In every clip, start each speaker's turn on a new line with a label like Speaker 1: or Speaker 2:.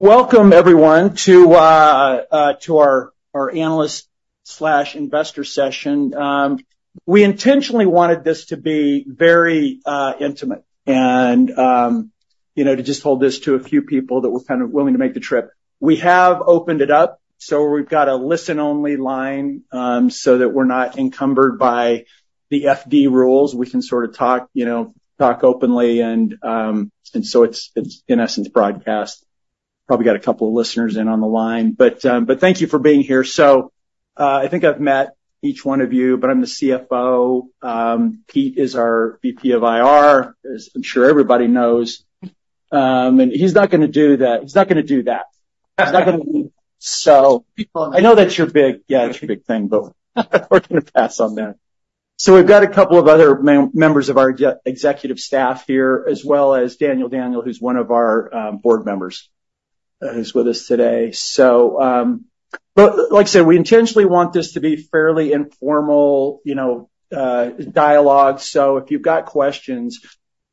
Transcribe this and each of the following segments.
Speaker 1: Welcome, everyone, to our analyst/investor session. We intentionally wanted this to be very intimate and, you know, to just hold this to a few people that were kind of willing to make the trip. We have opened it up, so we've got a listen-only line, so that we're not encumbered by the FD rules. We can sort of talk, you know, talk openly and so it's in essence broadcast. Probably got a couple of listeners in on the line. But thank you for being here. So, I think I've met each one of you, but I'm the CFO. Pete is our VP of IR, as I'm sure everybody knows. And he's not gonna do that. He's not gonna do that. He's not gonna do so.
Speaker 2: People.
Speaker 1: I know that's your big, yeah, it's your big thing, but we're gonna pass on that. So we've got a couple of other members of our executive staff here, as well as Dan Daniel, who's one of our board members, who's with us today. But like I said, we intentionally want this to be fairly informal, you know, dialogue. So if you've got questions,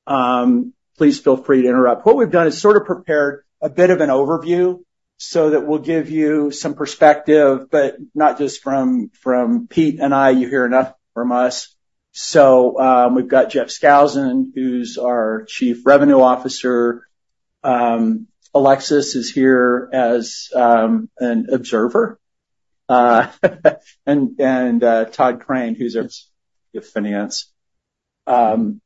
Speaker 1: please feel free to interrupt. What we've done is sort of prepared a bit of an overview so that we'll give you some perspective, but not just from Pete and I. You hear enough from us. So we've got Jeff Skousen, who's our Chief Revenue Officer. Alexis is here as an observer, and Todd Crane, who's our chief finance. And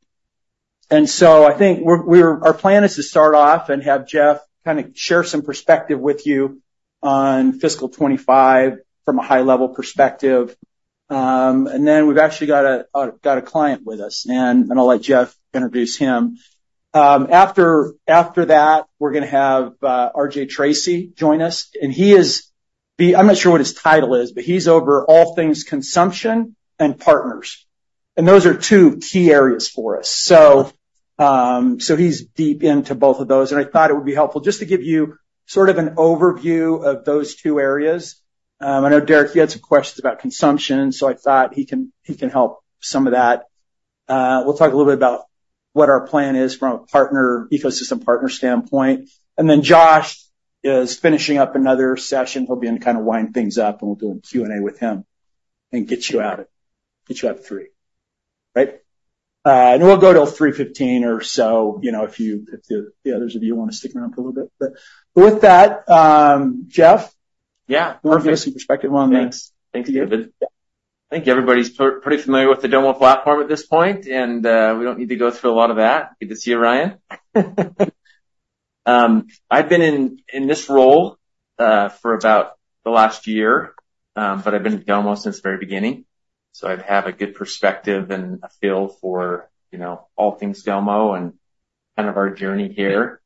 Speaker 1: so I think we're – our plan is to start off and have Jeff kind of share some perspective with you on fiscal 2025 from a high-level perspective. And then we've actually got a client with us, and I'll let Jeff introduce him. After that, we're gonna have RJ Tracy join us. And he is, I'm not sure what his title is, but he's over all things consumption and partners. And those are two key areas for us. So he's deep into both of those. And I thought it would be helpful just to give you sort of an overview of those two areas. I know, Derrick, you had some questions about consumption, so I thought he can help with some of that. We'll talk a little bit about what our plan is from a partner ecosystem standpoint. Then Josh is finishing up another session. He'll be in to kind of wind things up, and we'll do a Q&A with him and get you out of 3, right? And we'll go till 3:15 P.M. or so, you know, if the others of you wanna stick around for a little bit. But with that, Jeff.
Speaker 2: Yeah.
Speaker 1: More investment perspective. One thing.
Speaker 2: Thanks. Thanks, David. Thank you. Everybody's pretty familiar with the Domo platform at this point, and we don't need to go through a lot of that. Good to see you, Ryan. I've been in this role for about the last year, but I've been at Domo since the very beginning. So I have a good perspective and a feel for, you know, all things Domo and kind of our journey here.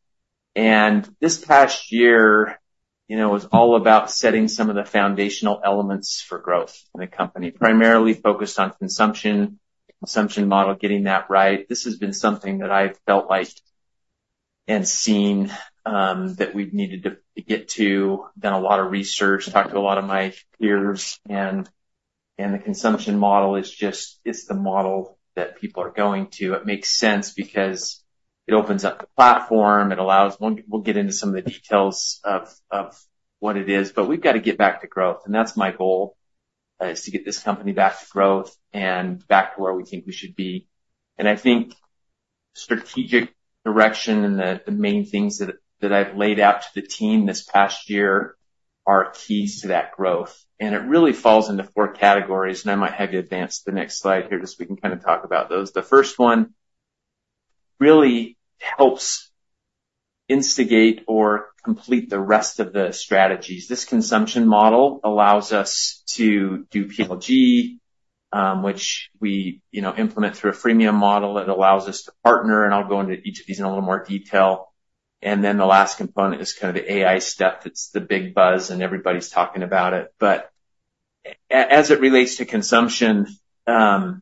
Speaker 2: And this past year, you know, was all about setting some of the foundational elements for growth in the company, primarily focused on consumption, consumption model, getting that right. This has been something that I've felt like and seen that we'd needed to get to. Done a lot of research, talked to a lot of my peers. And the consumption model is just it's the model that people are going to. It makes sense because it opens up the platform. It allows. We'll get into some of the details of what it is. But we've gotta get back to growth. That's my goal, is to get this company back to growth and back to where we think we should be. I think strategic direction and the main things that I've laid out to the team this past year are keys to that growth. It really falls into four categories. I might have you advance the next slide here just so we can kind of talk about those. The first one really helps instigate or complete the rest of the strategies. This consumption model allows us to do PLG, which we, you know, implement through a freemium model. It allows us to partner. I'll go into each of these in a little more detail. Then the last component is kind of the AI step that's the big buzz, and everybody's talking about it. But as it relates to consumption, you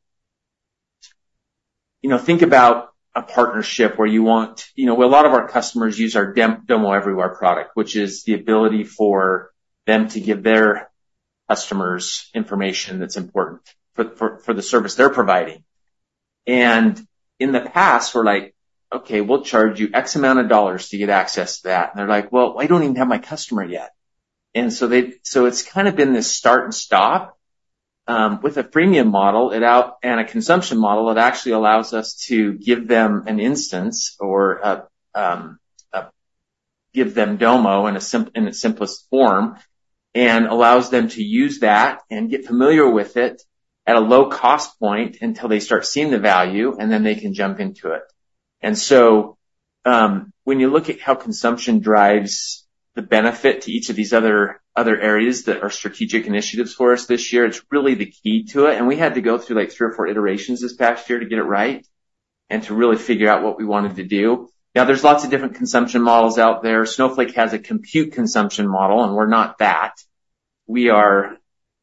Speaker 2: know, think about a partnership where you want you know, well, a lot of our customers use our Domo Everywhere product, which is the ability for them to give their customers information that's important for the service they're providing. And in the past, we're like, "Okay. We'll charge you X amount of dollars to get access to that." And they're like, "Well, I don't even have my customer yet." And so it's kind of been this start and stop, with a freemium model rolled out and a consumption model that actually allows us to give them an instance or give them Domo in a simple in the simplest form and allows them to use that and get familiar with it at a low-cost point until they start seeing the value, and then they can jump into it. And so, when you look at how consumption drives the benefit to each of these other, other areas that are strategic initiatives for us this year, it's really the key to it. We had to go through, like, three or four iterations this past year to get it right and to really figure out what we wanted to do. Now, there's lots of different consumption models out there. Snowflake has a compute consumption model, and we're not that. We are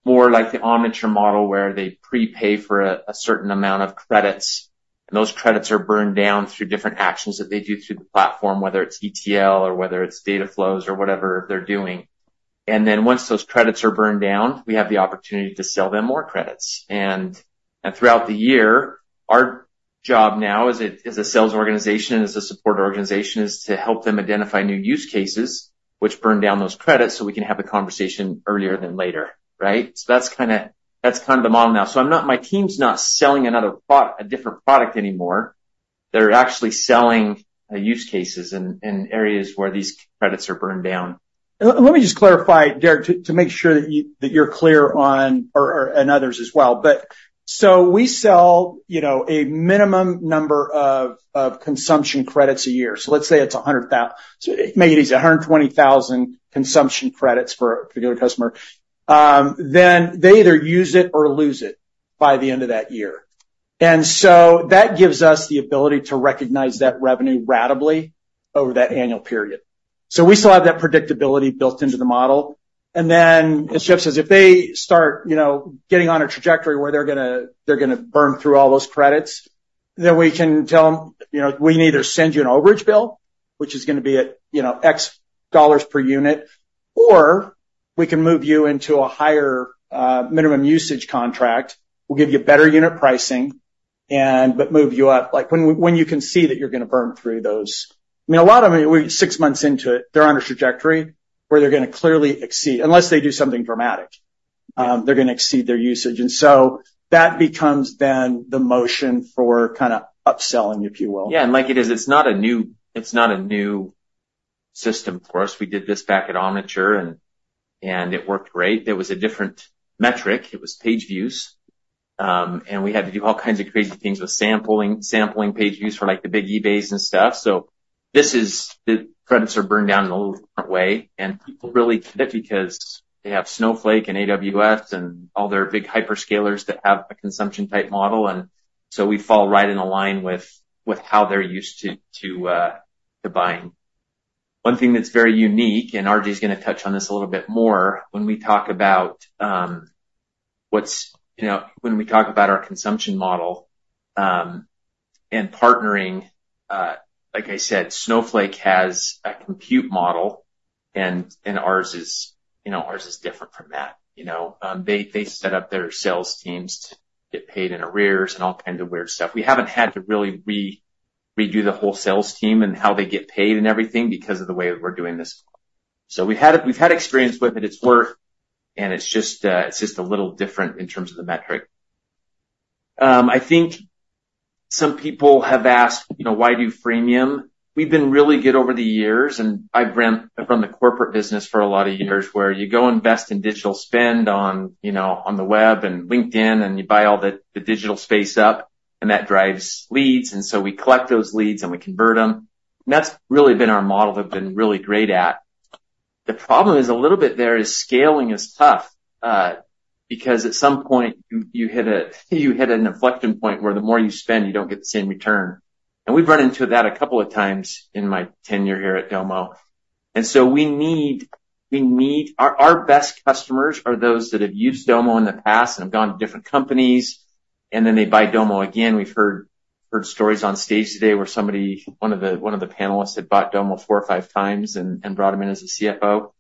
Speaker 2: more like the Omniture model where they prepay for a, a certain amount of credits. Those credits are burned down through different actions that they do through the platform, whether it's ETL or whether it's data flows or whatever they're doing. Then once those credits are burned down, we have the opportunity to sell them more credits. And, and throughout the year, our job now as a as a sales organization and as a support organization is to help them identify new use cases, which burn down those credits so we can have a conversation earlier than later, right? So that's kinda, that's kinda the model now. So I'm not, my team's not selling another product, a different product anymore. They're actually selling use cases in areas where these credits are burned down.
Speaker 1: Let me just clarify, Derek, to make sure that you're clear on or and others as well. But so we sell, you know, a minimum number of consumption credits a year. So let's say it's 100,000 so make it easy. 120,000 consumption credits for a particular customer. Then they either use it or lose it by the end of that year. And so that gives us the ability to recognize that revenue ratably over that annual period. So we still have that predictability built into the model. And then, as Jeff says, if they start, you know, getting on a trajectory where they're gonna burn through all those credits, then we can tell them, you know, "We can either send you an overage bill, which is gonna be at, you know, $X per unit, or we can move you into a higher, minimum usage contract. We'll give you better unit pricing and but move you up." Like, when we can see that you're gonna burn through those I mean, a lot of them, six months into it, they're on a trajectory where they're gonna clearly exceed unless they do something dramatic. They're gonna exceed their usage. And so that becomes then the motion for kinda upselling, if you will.
Speaker 2: Yeah. And like it is, it's not a new system for us. We did this back at Omniture, and it worked great. There was a different metric. It was page views. And we had to do all kinds of crazy things with sampling page views for, like, the big eBays and stuff. So this is the credits are burned down in a little different way. And people really get it because they have Snowflake and AWS and all their big hyperscalers that have a consumption-type model. And so we fall right in line with how they're used to buying. One thing that's very unique, and RJ's gonna touch on this a little bit more, when we talk about our consumption model, and partnering, like I said, Snowflake has a compute model. And ours is, you know, ours is different from that, you know. They set up their sales teams to get paid in arrears and all kinds of weird stuff. We haven't had to really re-redo the whole sales team and how they get paid and everything because of the way we're doing this model. So we've had a we've had experience with it. It's worth and it's just, it's just a little different in terms of the metric. I think some people have asked, you know, "Why do you freemium?" We've been really good over the years. And I've ran from the corporate business for a lot of years where you go invest in digital spend on, you know, on the web and LinkedIn, and you buy all the, the digital space up, and that drives leads. And so we collect those leads, and we convert them. That's really been our model. They've been really great at it. The problem is, a little bit, scaling is tough, because at some point, you hit an inflection point where the more you spend, you don't get the same return. We've run into that a couple of times in my tenure here at Domo. So we need our best customers are those that have used Domo in the past and have gone to different companies, and then they buy Domo again. We've heard stories on stage today where somebody, one of the panelists, had bought Domo four or five times and brought them in as a CFO.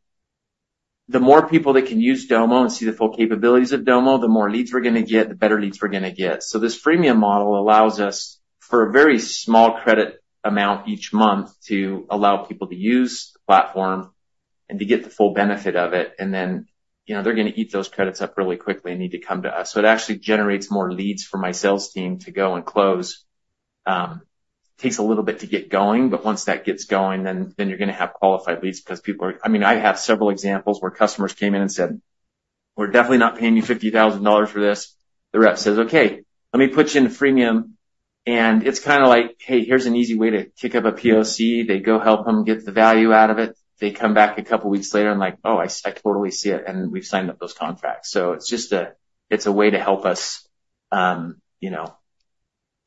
Speaker 2: The more people that can use Domo and see the full capabilities of Domo, the more leads we're gonna get, the better leads we're gonna get. So this freemium model allows us, for a very small credit amount each month, to allow people to use the platform and to get the full benefit of it. And then, you know, they're gonna eat those credits up really quickly and need to come to us. So it actually generates more leads for my sales team to go and close. Takes a little bit to get going. But once that gets going, then, then you're gonna have qualified leads 'cause people are—I mean, I have several examples where customers came in and said, "We're definitely not paying you $50,000 for this." The rep says, "Okay. Let me put you in freemium." And it's kinda like, "Hey, here's an easy way to kick up a POC." They go help them get the value out of it. They come back a couple weeks later and like, "Oh, I, I totally see it. And we've signed up those contracts." So it's just a it's a way to help us, you know,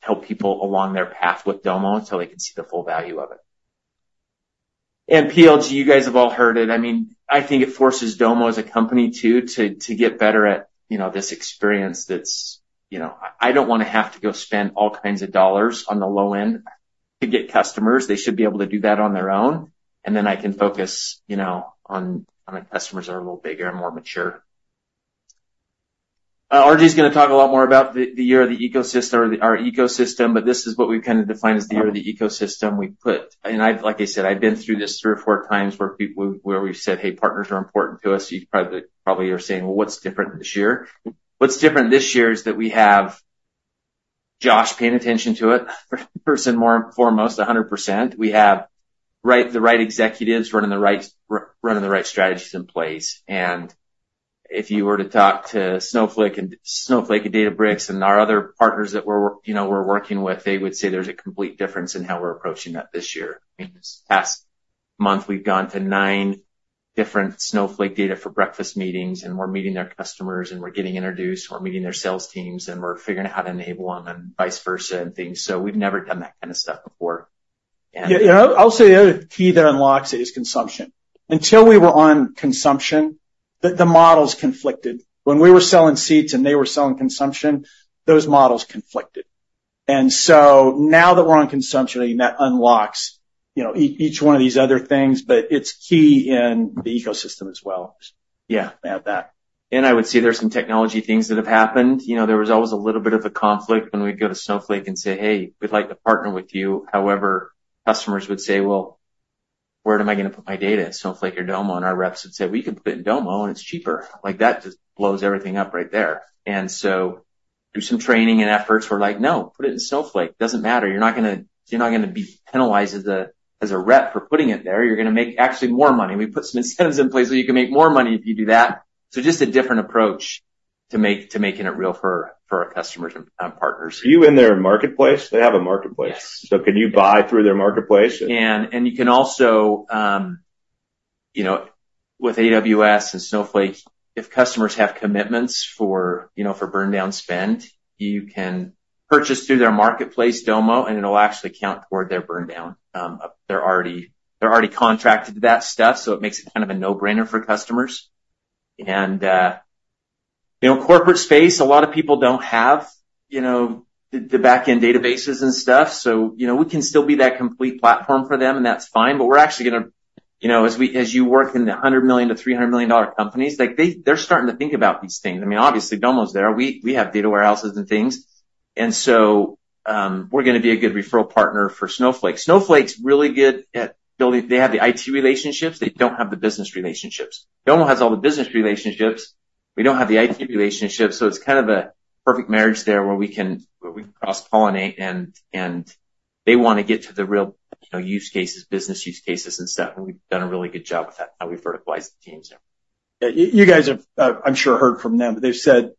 Speaker 2: help people along their path with Domo till they can see the full value of it. And PLG, you guys have all heard it. I mean, I think it forces Domo as a company too, to, to get better at, you know, this experience that's, you know I, I don't wanna have to go spend all kinds of dollars on the low end to get customers. They should be able to do that on their own. And then I can focus, you know, on, on the customers that are a little bigger and more mature. RJ's gonna talk a lot more about the, the year of the ecosystem or the our ecosystem. But this is what we've kinda defined as the year of the ecosystem. And I've, like I said, been through this 3 or 4 times where we've said, "Hey, partners are important to us." You probably are saying, "Well, what's different this year?" What's different this year is that we have Josh paying attention to it, first and foremost, 100%. We have the right executives running the right strategies in place. And if you were to talk to Snowflake and Databricks and our other partners that we're, you know, working with, they would say there's a complete difference in how we're approaching that this year. I mean, this past month, we've gone to 9 different Snowflake data for breakfast meetings. And we're meeting their customers, and we're getting introduced. We're meeting their sales teams. We're figuring out how to enable them and vice versa and things. We've never done that kinda stuff before.
Speaker 1: Yeah. Yeah. I'll say the other key that unlocks it is consumption. Until we were on consumption, the models conflicted. When we were selling seats and they were selling consumption, those models conflicted. And so now that we're on consumption, I mean, that unlocks, you know, each one of these other things. But it's key in the ecosystem as well.
Speaker 2: Yeah.
Speaker 1: Add that.
Speaker 2: I would say there's some technology things that have happened. You know, there was always a little bit of a conflict when we'd go to Snowflake and say, "Hey, we'd like to partner with you." However, customers would say, "Well, where am I gonna put my data, Snowflake or Domo?" Our reps would say, "We can put it in Domo, and it's cheaper." Like, that just blows everything up right there. Through some training and efforts, we're like, "No. Put it in Snowflake. Doesn't matter. You're not gonna be penalized as a rep for putting it there. You're gonna make actually more money. We put some incentives in place so you can make more money if you do that." Just a different approach to making it real for our customers and partners.
Speaker 1: Are you in their marketplace? They have a marketplace.
Speaker 2: Yes.
Speaker 1: Can you buy through their marketplace?
Speaker 2: And you can also, you know, with AWS and Snowflake, if customers have commitments for, you know, for burned-down spend, you can purchase through their marketplace, Domo, and it'll actually count toward their burned-down. They're already contracted to that stuff. So it makes it kind of a no-brainer for customers. And, you know, corporate space, a lot of people don't have, you know, the backend databases and stuff. So, you know, we can still be that complete platform for them, and that's fine. But we're actually gonna, you know, as we as you work in the $100 million to $300 million-dollar companies, like, they're starting to think about these things. I mean, obviously, Domo's there. We have data warehouses and things. And so, we're gonna be a good referral partner for Snowflake. Snowflake's really good at building. They have the IT relationships. They don't have the business relationships. Domo has all the business relationships. We don't have the IT relationships. So it's kind of a perfect marriage there where we can cross-pollinate. And they wanna get to the real, you know, use cases, business use cases and stuff. And we've done a really good job with that. Now we've verticalized the teams there.
Speaker 1: Yeah. You guys have, I'm sure, heard from them. They've said,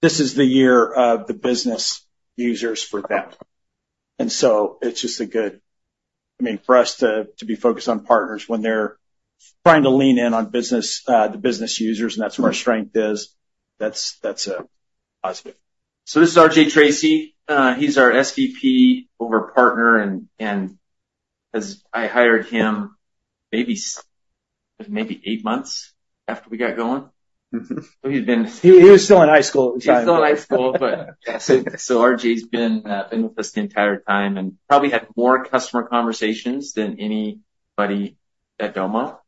Speaker 1: "This is the year of the business users for them." And so it's just a good, I mean, for us to be focused on partners when they're trying to lean in on business, the business users, and that's where our strength is. That's a positive.
Speaker 2: So this is RJ Tracy. He's our SVP over partners. And I hired him maybe eight months after we got going.
Speaker 1: Mm-hmm.
Speaker 2: So he's been.
Speaker 1: He was still in high school at the time.
Speaker 2: He's still in high school. RJ's been with us the entire time and probably had more customer conversations than anybody at Domo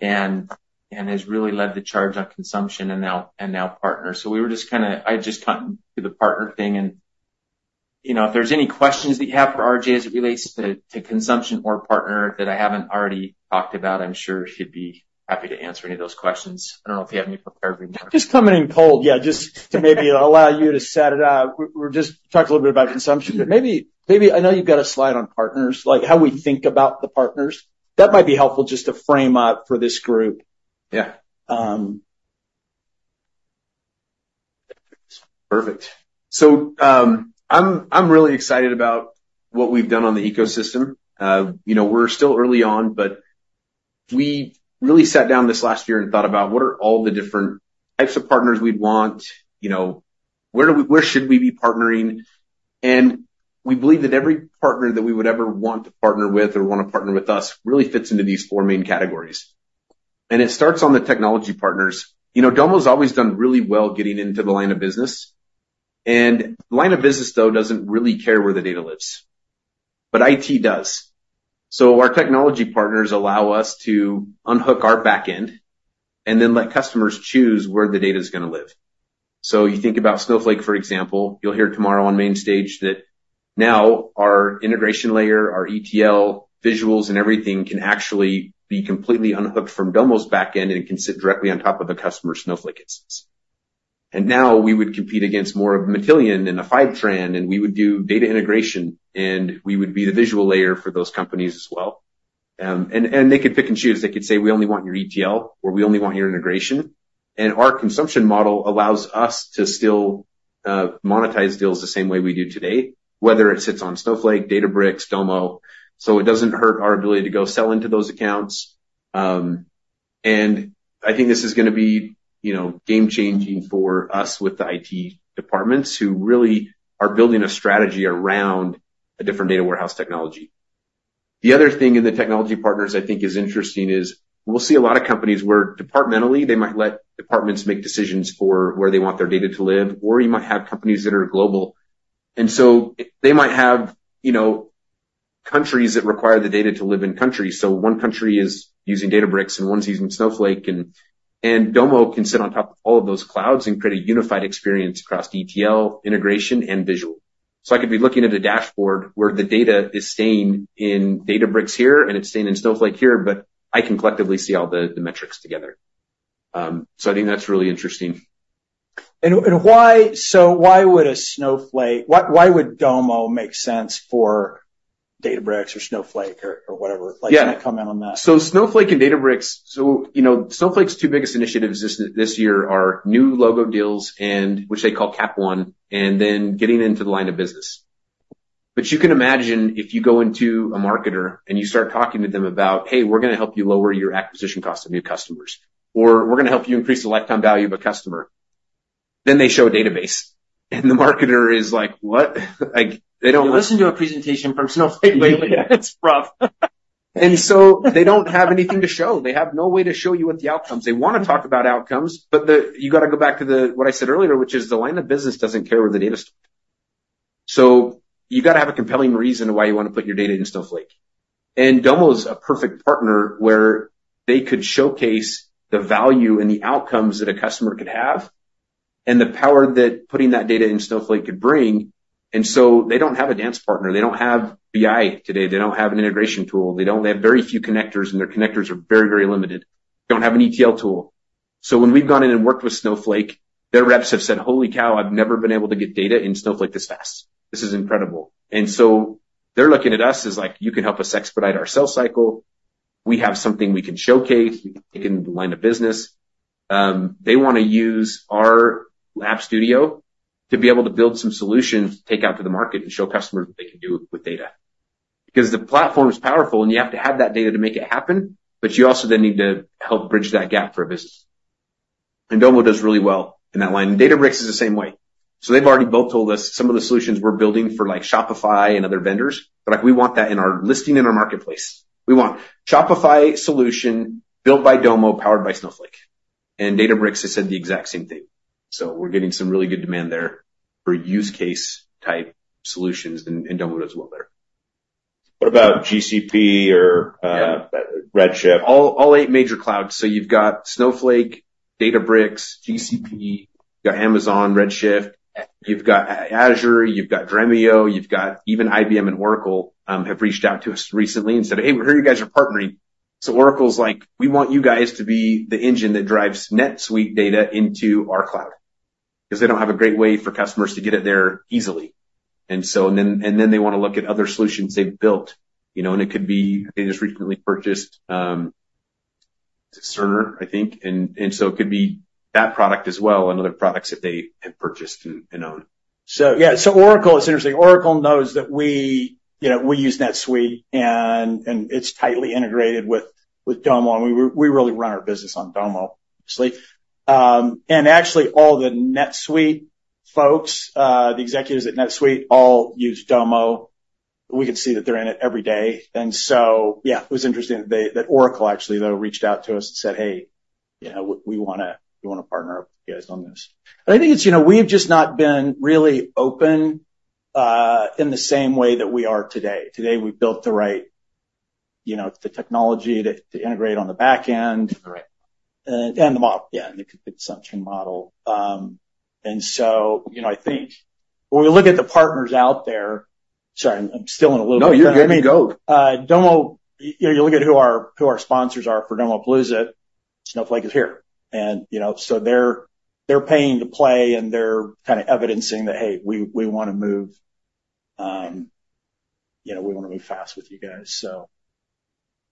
Speaker 2: and has really led the charge on consumption and now partner. So we were just kinda I had just gotten to the partner thing. You know, if there's any questions that you have for RJ as it relates to consumption or partner that I haven't already talked about, I'm sure he'd be happy to answer any of those questions. I don't know if he has any prepared anymore.
Speaker 1: Just coming in cold. Yeah. Just to maybe allow you to set it up. We're just talking a little bit about consumption. But maybe I know you've got a slide on partners, like, how we think about the partners. That might be helpful just to frame up for this group.
Speaker 2: Yeah. Perfect. So, I'm really excited about what we've done on the ecosystem. You know, we're still early on. But we really sat down this last year and thought about, "What are all the different types of partners we'd want? You know, where should we be partnering?" And we believe that every partner that we would ever want to partner with or wanna partner with us really fits into these four main categories. And it starts on the technology partners. You know, Domo's always done really well getting into the line of business. And line of business, though, doesn't really care where the data lives. But IT does. So our technology partners allow us to unhook our backend and then let customers choose where the data's gonna live. So you think about Snowflake, for example. You'll hear tomorrow on main stage that now our integration layer, our ETL, visuals, and everything can actually be completely unhooked from Domo's backend and can sit directly on top of the customer's Snowflake instance. And now we would compete against more of Matillion and a Fivetran. And we would do data integration. And we would be the visual layer for those companies as well. And, and they could pick and choose. They could say, "We only want your ETL," or, "We only want your integration." And our consumption model allows us to still monetize deals the same way we do today, whether it sits on Snowflake, Databricks, Domo. So it doesn't hurt our ability to go sell into those accounts. And I think this is gonna be, you know, game-changing for us with the IT departments who really are building a strategy around a different data warehouse technology. The other thing in the technology partners I think is interesting is we'll see a lot of companies where departmentally, they might let departments make decisions for where they want their data to live. Or you might have companies that are global. And so they might have, you know, countries that require the data to live in countries. So one country is using Databricks, and one's using Snowflake. And Domo can sit on top of all of those clouds and create a unified experience across ETL, integration, and visual. So I could be looking at a dashboard where the data is staying in Databricks here, and it's staying in Snowflake here. But I can collectively see all the metrics together. So I think that's really interesting.
Speaker 1: Why would Snowflake, why would Domo make sense for Databricks or Snowflake or whatever? Like.
Speaker 2: Yeah.
Speaker 1: Can I comment on that?
Speaker 2: So Snowflake and Databricks, you know, Snowflake's two biggest initiatives this year are new logo deals, which they call Cap 1, and then getting into the line of business. But you can imagine if you go into a marketer and you start talking to them about, "Hey, we're gonna help you lower your acquisition cost of new customers," or, "We're gonna help you increase the lifetime value of a customer," then they show a database. And the marketer is like, "What?" Like, they don't.
Speaker 1: They listened to a presentation from Snowflake lately. It's rough.
Speaker 2: They don't have anything to show. They have no way to show you what the outcomes they wanna talk about—outcomes. But you gotta go back to what I said earlier, which is the line of business doesn't care where the data's stored. So you gotta have a compelling reason why you wanna put your data in Snowflake. Domo's a perfect partner where they could showcase the value and the outcomes that a customer could have and the power that putting that data in Snowflake could bring. They don't have a dance partner. They don't have BI today. They don't have an integration tool. They don't have very few connectors. Their connectors are very, very limited. They don't have an ETL tool. So when we've gone in and worked with Snowflake, their reps have said, "Holy cow. I've never been able to get data in Snowflake this fast. This is incredible." And so they're looking at us as like, "You can help us expedite our sales cycle. We have something we can showcase. We can take in the line of business." They wanna use our lab studio to be able to build some solutions to take out to the market and show customers what they can do with data. Because the platform's powerful, and you have to have that data to make it happen. But you also then need to help bridge that gap for a business. And Domo does really well in that line. And Databricks is the same way. So they've already both told us some of the solutions we're building for, like, Shopify and other vendors. But, like, we want that in our listing in our marketplace. We want Shopify solution built by Domo, powered by Snowflake. And Databricks has said the exact same thing. So we're getting some really good demand there for use-case-type solutions. And Domo does well there.
Speaker 1: What about GCP or?
Speaker 3: Yeah.
Speaker 1: Redshift?
Speaker 3: All eight major clouds. So you've got Snowflake, Databricks, GCP. You've got Amazon Redshift. You've got Azure. You've got Dremio. You've got even IBM and Oracle have reached out to us recently and said, "Hey, we're hearing you guys are partnering." So Oracle's like, "We want you guys to be the engine that drives NetSuite data into our cloud." Because they don't have a great way for customers to get it there easily. And so and then and then they wanna look at other solutions they've built, you know. And it could be they just recently purchased Cerner, I think. And so it could be that product as well and other products that they have purchased and owned. So yeah. So, Oracle, it's interesting. Oracle knows that we, you know, we use NetSuite. And it's tightly integrated with Domo. And we really run our business on Domo, obviously. And actually, all the NetSuite folks, the executives at NetSuite all use Domo. We can see that they're in it every day. And so yeah. It was interesting that Oracle, actually, though, reached out to us and said, "Hey, you know, we wanna partner up with you guys on this. I think it's, you know, we have just not been really open in the same way that we are today. Today, we've built the right, you know, the technology to integrate on the backend.
Speaker 1: And the right. And the model. Yeah. And the consumption model. And so, you know, I think when we look at the partners out there, sorry. I'm still in a little bit of turmoil. No. You're good. You can go.
Speaker 3: Domo, you know, you look at who our sponsors are for Domopalooza, Snowflake is here. And, you know, so they're paying to play. And they're kinda evidencing that, "Hey, we wanna move, you know, we wanna move fast with you guys," so.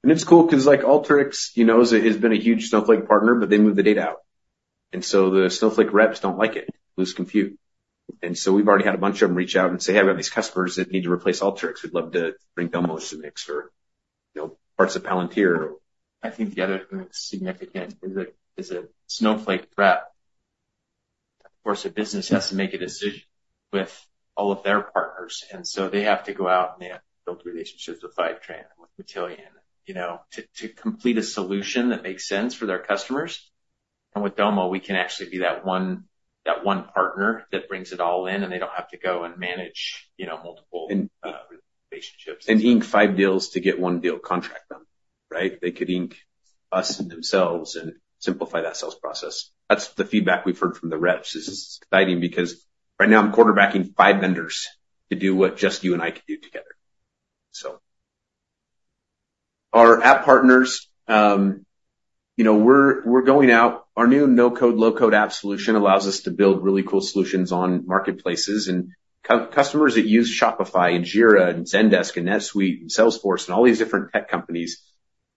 Speaker 3: It's cool because, like, Alteryx, you know, has been a huge Snowflake partner. But they moved the data out. And so the Snowflake reps don't like it, lose compute. And so we've already had a bunch of them reach out and say, "Hey, we have these customers that need to replace Alteryx. We'd love to bring Domo into the mix for, you know, parts of Palantir or.
Speaker 2: I think the other thing that's significant is that Snowflake rep, of course, a business has to make a decision with all of their partners. And so they have to go out, and they have to build relationships with Fivetran and with Matillion, you know, to complete a solution that makes sense for their customers. And with Domo, we can actually be that one partner that brings it all in. And they don't have to go and manage, you know, multiple,
Speaker 1: And. Relationships.
Speaker 2: Ink five deals to get one deal contract them, right? They could ink us and themselves and simplify that sales process. That's the feedback we've heard from the reps. It's, it's exciting because right now, I'm quarterbacking five vendors to do what just you and I could do together, so. Our app partners, you know, we're going out. Our new no-code, low-code app solution allows us to build really cool solutions on marketplaces. Customers that use Shopify and Jira and Zendesk and NetSuite and Salesforce and all these different tech companies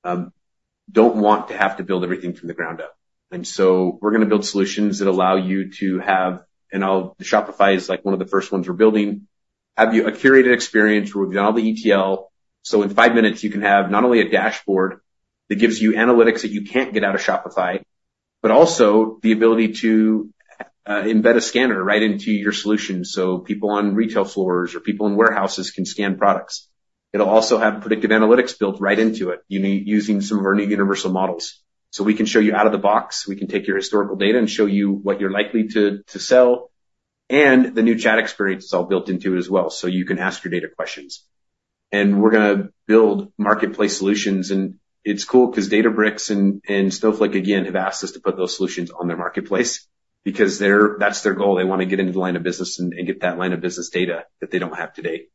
Speaker 2: don't want to have to build everything from the ground up. So we're gonna build solutions that allow you to have, and I'll the Shopify is, like, one of the first ones we're building, have you a curated experience where we've done all the ETL. So in five minutes, you can have not only a dashboard that gives you analytics that you can't get out of Shopify but also the ability to embed a scanner right into your solution so people on retail floors or people in warehouses can scan products. It'll also have predictive analytics built right into it, you know, using some of our new universal models. So we can show you out of the box. We can take your historical data and show you what you're likely to sell. And the new chat experience is all built into it as well so you can ask your data questions. And we're gonna build marketplace solutions. And it's cool because Databricks and Snowflake, again, have asked us to put those solutions on their marketplace because that's their goal. They wanna get into the line of business and get that line of business data that they don't have today.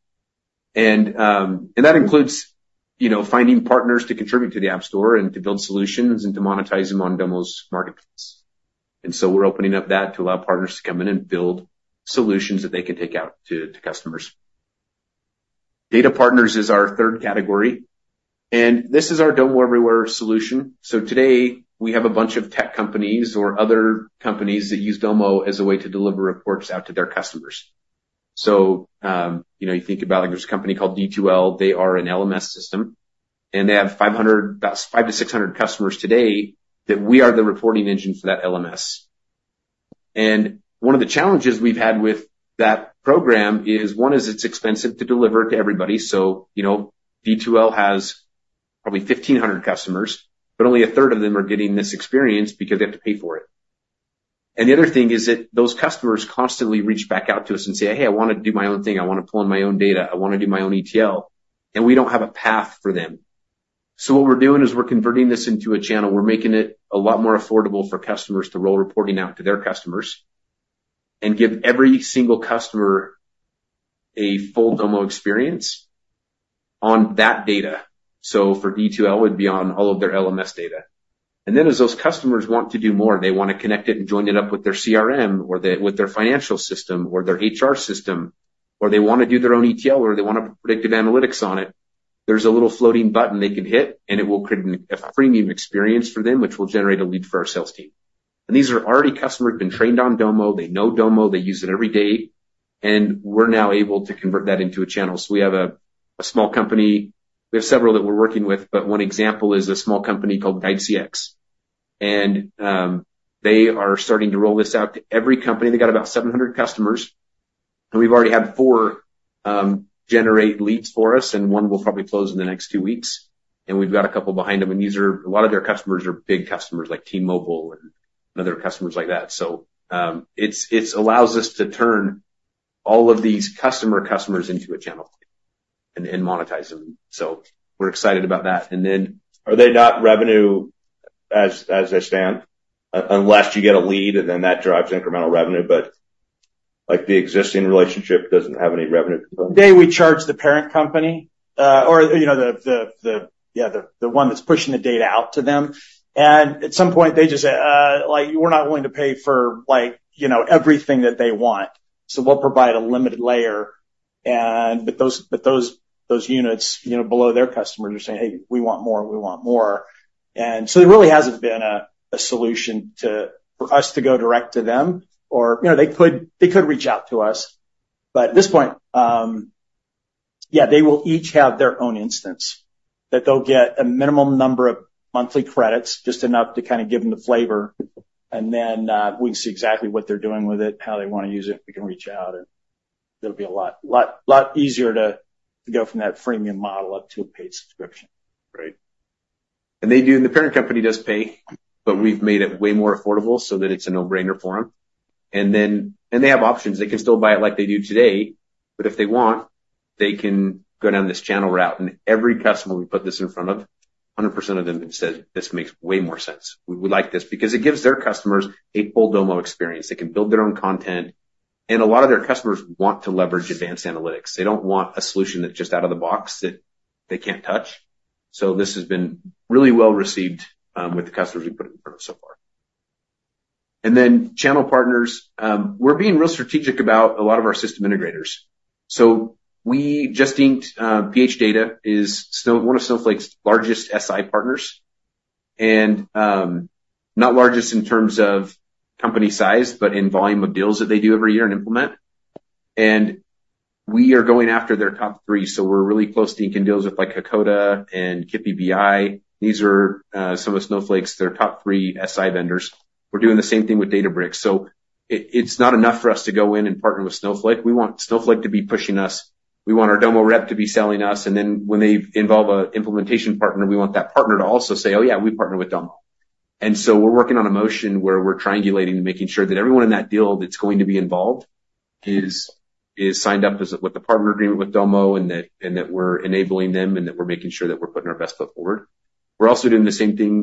Speaker 2: And that includes, you know, finding partners to contribute to the app store and to build solutions and to monetize them on Domo's marketplace. So we're opening up that to allow partners to come in and build solutions that they can take out to customers. Data partners is our third category. And this is our Domo Everywhere solution. So today, we have a bunch of tech companies or other companies that use Domo as a way to deliver reports out to their customers. So, you know, you think about, like, there's a company called D2L. They are an LMS system. And they have about 500 to 600 customers today that we are the reporting engine for that LMS. And one of the challenges we've had with that program is one, it's expensive to deliver to everybody. So, you know, D2L has probably 1,500 customers. But only a third of them are getting this experience because they have to pay for it. The other thing is that those customers constantly reach back out to us and say, "Hey, I wanna do my own thing. I wanna pull in my own data. I wanna do my own ETL." And we don't have a path for them. So what we're doing is we're converting this into a channel. We're making it a lot more affordable for customers to roll reporting out to their customers and give every single customer a full Domo experience on that data. So for D2L, it would be on all of their LMS data. And then as those customers want to do more, they wanna connect it and join it up with their CRM or with their financial system or their HR system, or they wanna do their own ETL, or they wanna put predictive analytics on it, there's a little floating button they can hit. And it will create a premium experience for them, which will generate a lead for our sales team. And these are already customers who've been trained on Domo. They know Domo. They use it every day. And we're now able to convert that into a channel. So we have a small company. We have several that we're working with. But one example is a small company called GuideCX. And they are starting to roll this out to every company. They got about 700 customers. And we've already had 4 generate leads for us. And 1 will probably close in the next 2 weeks. And we've got a couple behind them. And these are a lot of their customers are big customers, like T-Mobile and other customers like that. So it allows us to turn all of these customer customers into a channel and monetize them. So we're excited about that. And then.
Speaker 1: Are they not revenue as they stand, unless you get a lead? And then that drives incremental revenue. But, like, the existing relationship doesn't have any revenue component?
Speaker 2: Today, we charge the parent company, or, you know, the one that's pushing the data out to them. And at some point, they just say, like, "We're not willing to pay for, like, you know, everything that they want. So we'll provide a limited layer." But those units, you know, below their customers are saying, "Hey, we want more. We want more." And so there really hasn't been a solution for us to go direct to them. Or, you know, they could reach out to us. But at this point, yeah, they will each have their own instance that they'll get a minimum number of monthly credits, just enough to kinda give them the flavor. And then, we can see exactly what they're doing with it, how they wanna use it. We can reach out. It'll be a lot, lot, lot easier to, to go from that premium model up to a paid subscription.
Speaker 3: Right.
Speaker 2: And they do and the parent company does pay. But we've made it way more affordable so that it's a no-brainer for them. And then they have options. They can still buy it like they do today. But if they want, they can go down this channel route. And every customer we put this in front of, 100% of them have said, "This makes way more sense. We like this," because it gives their customers a full Domo experience. They can build their own content. And a lot of their customers want to leverage advanced analytics. They don't want a solution that's just out of the box that they can't touch. So this has been really well received, with the customers we've put it in front of so far. And then channel partners, we're being real strategic about a lot of our system integrators. So we just inked. phData is still one of Snowflake's largest SI partners. And not largest in terms of company size but in volume of deals that they do every year and implement. And we are going after their top three. So we're really close to inking deals with, like, Hakkoda and Kipi.bi. These are some of Snowflake's their top three SI vendors. We're doing the same thing with Databricks. So it's not enough for us to go in and partner with Snowflake. We want Snowflake to be pushing us. We want our Domo rep to be selling us. And then when they involve a implementation partner, we want that partner to also say, "Oh, yeah. We partner with Domo." And so we're working on a motion where we're triangulating and making sure that everyone in that deal that's going to be involved is signed up as a with a partner agreement with Domo and that we're enabling them and that we're making sure that we're putting our best foot forward. We're also doing the same thing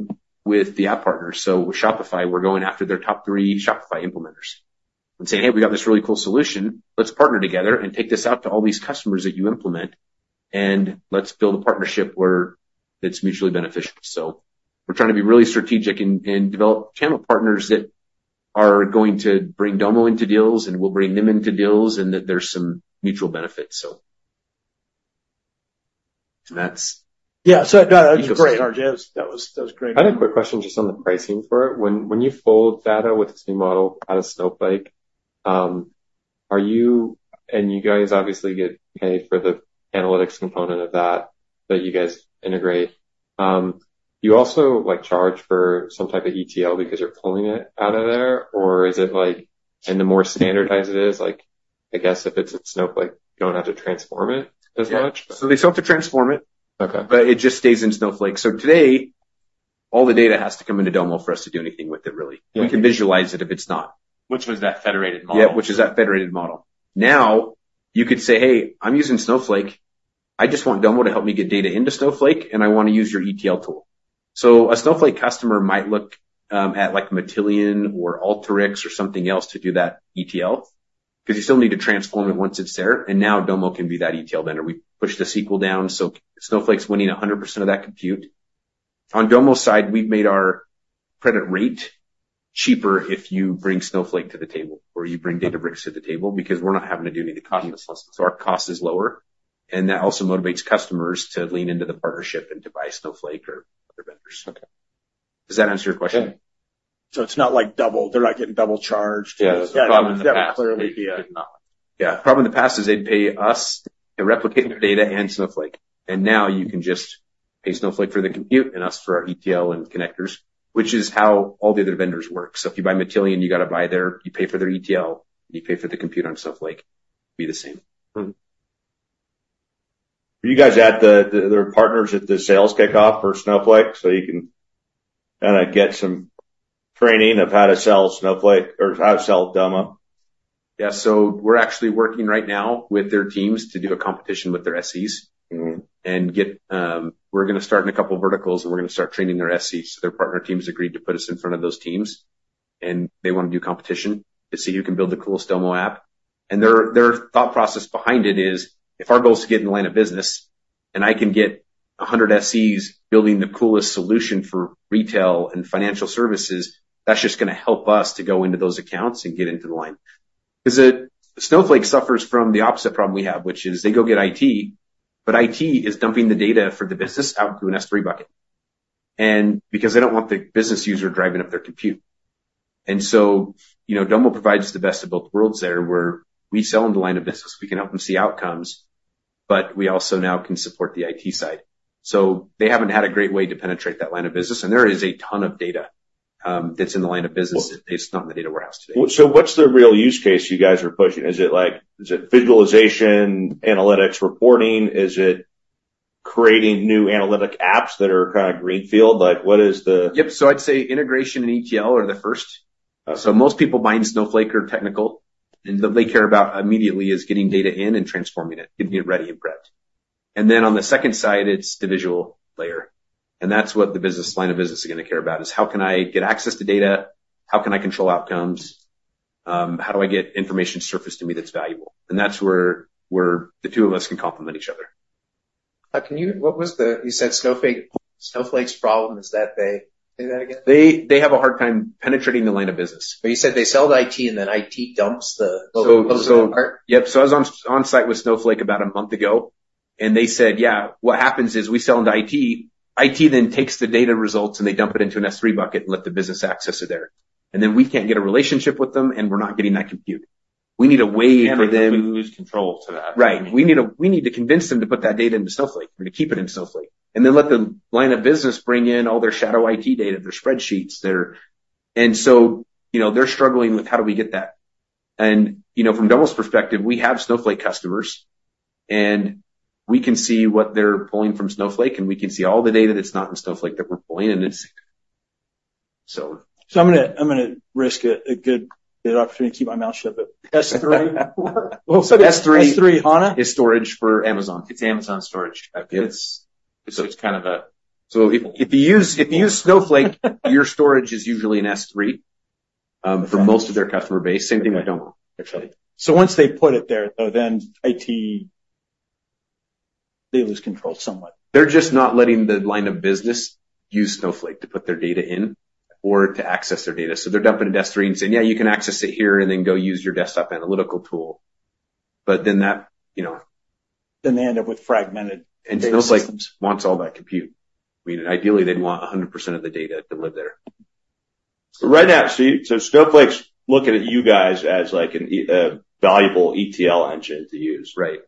Speaker 2: with the app partners. So with Shopify, we're going after their top three Shopify implementers and saying, "Hey, we got this really cool solution. Let's partner together and take this out to all these customers that you implement. And let's build a partnership where that's mutually beneficial." So we're trying to be really strategic and develop channel partners that are going to bring Domo into deals. And we'll bring them into deals and that there's some mutual benefits, so. And that's. Yeah. So no. That was great, RJ. That was great.
Speaker 4: I had a quick question just on the pricing for it. When you fold data with this new model out of Snowflake, are you and you guys obviously get paid for the analytics component of that that you guys integrate. You also, like, charge for some type of ETL because you're pulling it out of there? Or is it, like and the more standardized it is, like, I guess if it's at Snowflake, you don't have to transform it as much, but?
Speaker 2: Yeah. So they still have to transform it.
Speaker 4: Okay.
Speaker 2: But it just stays in Snowflake. So today, all the data has to come into Domo for us to do anything with it, really.
Speaker 4: Yeah.
Speaker 2: We can visualize it if it's not.
Speaker 4: Which was that federated model?
Speaker 2: Yeah. Which is that federated model. Now, you could say, "Hey, I'm using Snowflake. I just want Domo to help me get data into Snowflake. And I wanna use your ETL tool." So a Snowflake customer might look at, like, Matillion or Alteryx or something else to do that ETL because you still need to transform it once it's there. And now, Domo can be that ETL vendor. We pushed the SQL down. So Snowflake's winning 100% of that compute. On Domo's side, we've made our credit rate cheaper if you bring Snowflake to the table or you bring Databricks to the table because we're not having to do any of the costless. So our cost is lower. And that also motivates customers to lean into the partnership and to buy Snowflake or other vendors.
Speaker 4: Okay. Does that answer your question?
Speaker 2: Yeah. So it's not, like, double. They're not getting double charged.
Speaker 3: Yeah. Yeah. The problem in the past.
Speaker 4: That would clearly be a.
Speaker 3: Yeah. The problem in the past is they'd pay us to replicate their data and Snowflake. And now, you can just pay Snowflake for the compute and us for our ETL and connectors, which is how all the other vendors work. So if you buy Matillion, you gotta buy their you pay for their ETL. You pay for the compute on Snowflake. It'd be the same.
Speaker 4: Mm-hmm. Are you guys there? They're partners at the sales kickoff for Snowflake so you can kinda get some training of how to sell Snowflake or how to sell Domo?
Speaker 2: Yeah. So we're actually working right now with their teams to do a competition with their SEs, and we're gonna start in a couple of verticals. And we're gonna start training their SEs. So their partner teams agreed to put us in front of those teams. And they wanna do a competition to see who can build the coolest Domo app. And their thought process behind it is, if our goal is to get in the line of business and I can get 100 SEs building the coolest solution for retail and financial services, that's just gonna help us to go into those accounts and get into the line because Snowflake suffers from the opposite problem we have, which is they go get IT. IT is dumping the data for the business out to an S3 bucket because they don't want the business user driving up their compute. You know, Domo provides the best of both worlds there where we sell in the line of business. We can help them see outcomes. We also now can support the IT side. They haven't had a great way to penetrate that line of business. There is a ton of data that's in the line of business that they just don't have in the data warehouse today.
Speaker 4: Well, so what's the real use case you guys are pushing? Is it, like is it visualization, analytics, reporting? Is it creating new analytic apps that are kinda greenfield? Like, what is the?
Speaker 2: Yep. So I'd say integration and ETL are the first. So most people buying Snowflake are technical. And what they care about immediately is getting data in and transforming it, getting it ready and prepped. And then on the second side, it's the visual layer. And that's what the business line of business is gonna care about, is, "How can I get access to data? How can I control outcomes? How do I get information surfaced to me that's valuable?" And that's where the two of us can complement each other.
Speaker 4: Can you, what was the you said, Snowflake, Snowflake's problem is that they say that again?
Speaker 2: They have a hard time penetrating the line of business.
Speaker 4: But you said they sell to IT. Then IT dumps the part?
Speaker 2: So, yep. So I was onsite with Snowflake about a month ago. And they said, "Yeah. What happens is we sell into IT. IT then takes the data results. And they dump it into an S3 bucket and let the business access it there. And then we can't get a relationship with them. And we're not getting that compute. We need a way for them.
Speaker 4: And then, who controls that?
Speaker 2: Right. We need a we need to convince them to put that data into Snowflake or to keep it in Snowflake and then let the line of business bring in all their shadow IT data, their spreadsheets, their and so, you know, they're struggling with, "How do we get that?" And, you know, from Domo's perspective, we have Snowflake customers. And we can see what they're pulling from Snowflake. And we can see all the data that's not in Snowflake that we're pulling. And it's so.
Speaker 4: So I'm gonna risk a good opportunity to keep my mouth shut, but S3?
Speaker 2: S3.
Speaker 4: S3, Hana?
Speaker 2: It's storage for Amazon. It's Amazon storage.
Speaker 4: Okay.
Speaker 2: It's kind of, so if you use Snowflake, your storage is usually an S3 for most of their customer base, same thing with Domo, actually.
Speaker 4: Once they put it there, though, then IT, they lose control somewhat.
Speaker 2: They're just not letting the line of business use Snowflake to put their data in or to access their data. So they're dumping it in S3 and saying, "Yeah. You can access it here and then go use your desktop analytical tool." But then that, you know.
Speaker 4: Then they end up with fragmented data systems.
Speaker 2: Snowflake wants all that compute. I mean, ideally, they'd want 100% of the data to live there.
Speaker 4: Right. Absolutely. So Snowflake's looking at you guys as, like, a valuable ETL engine to use.
Speaker 2: Right.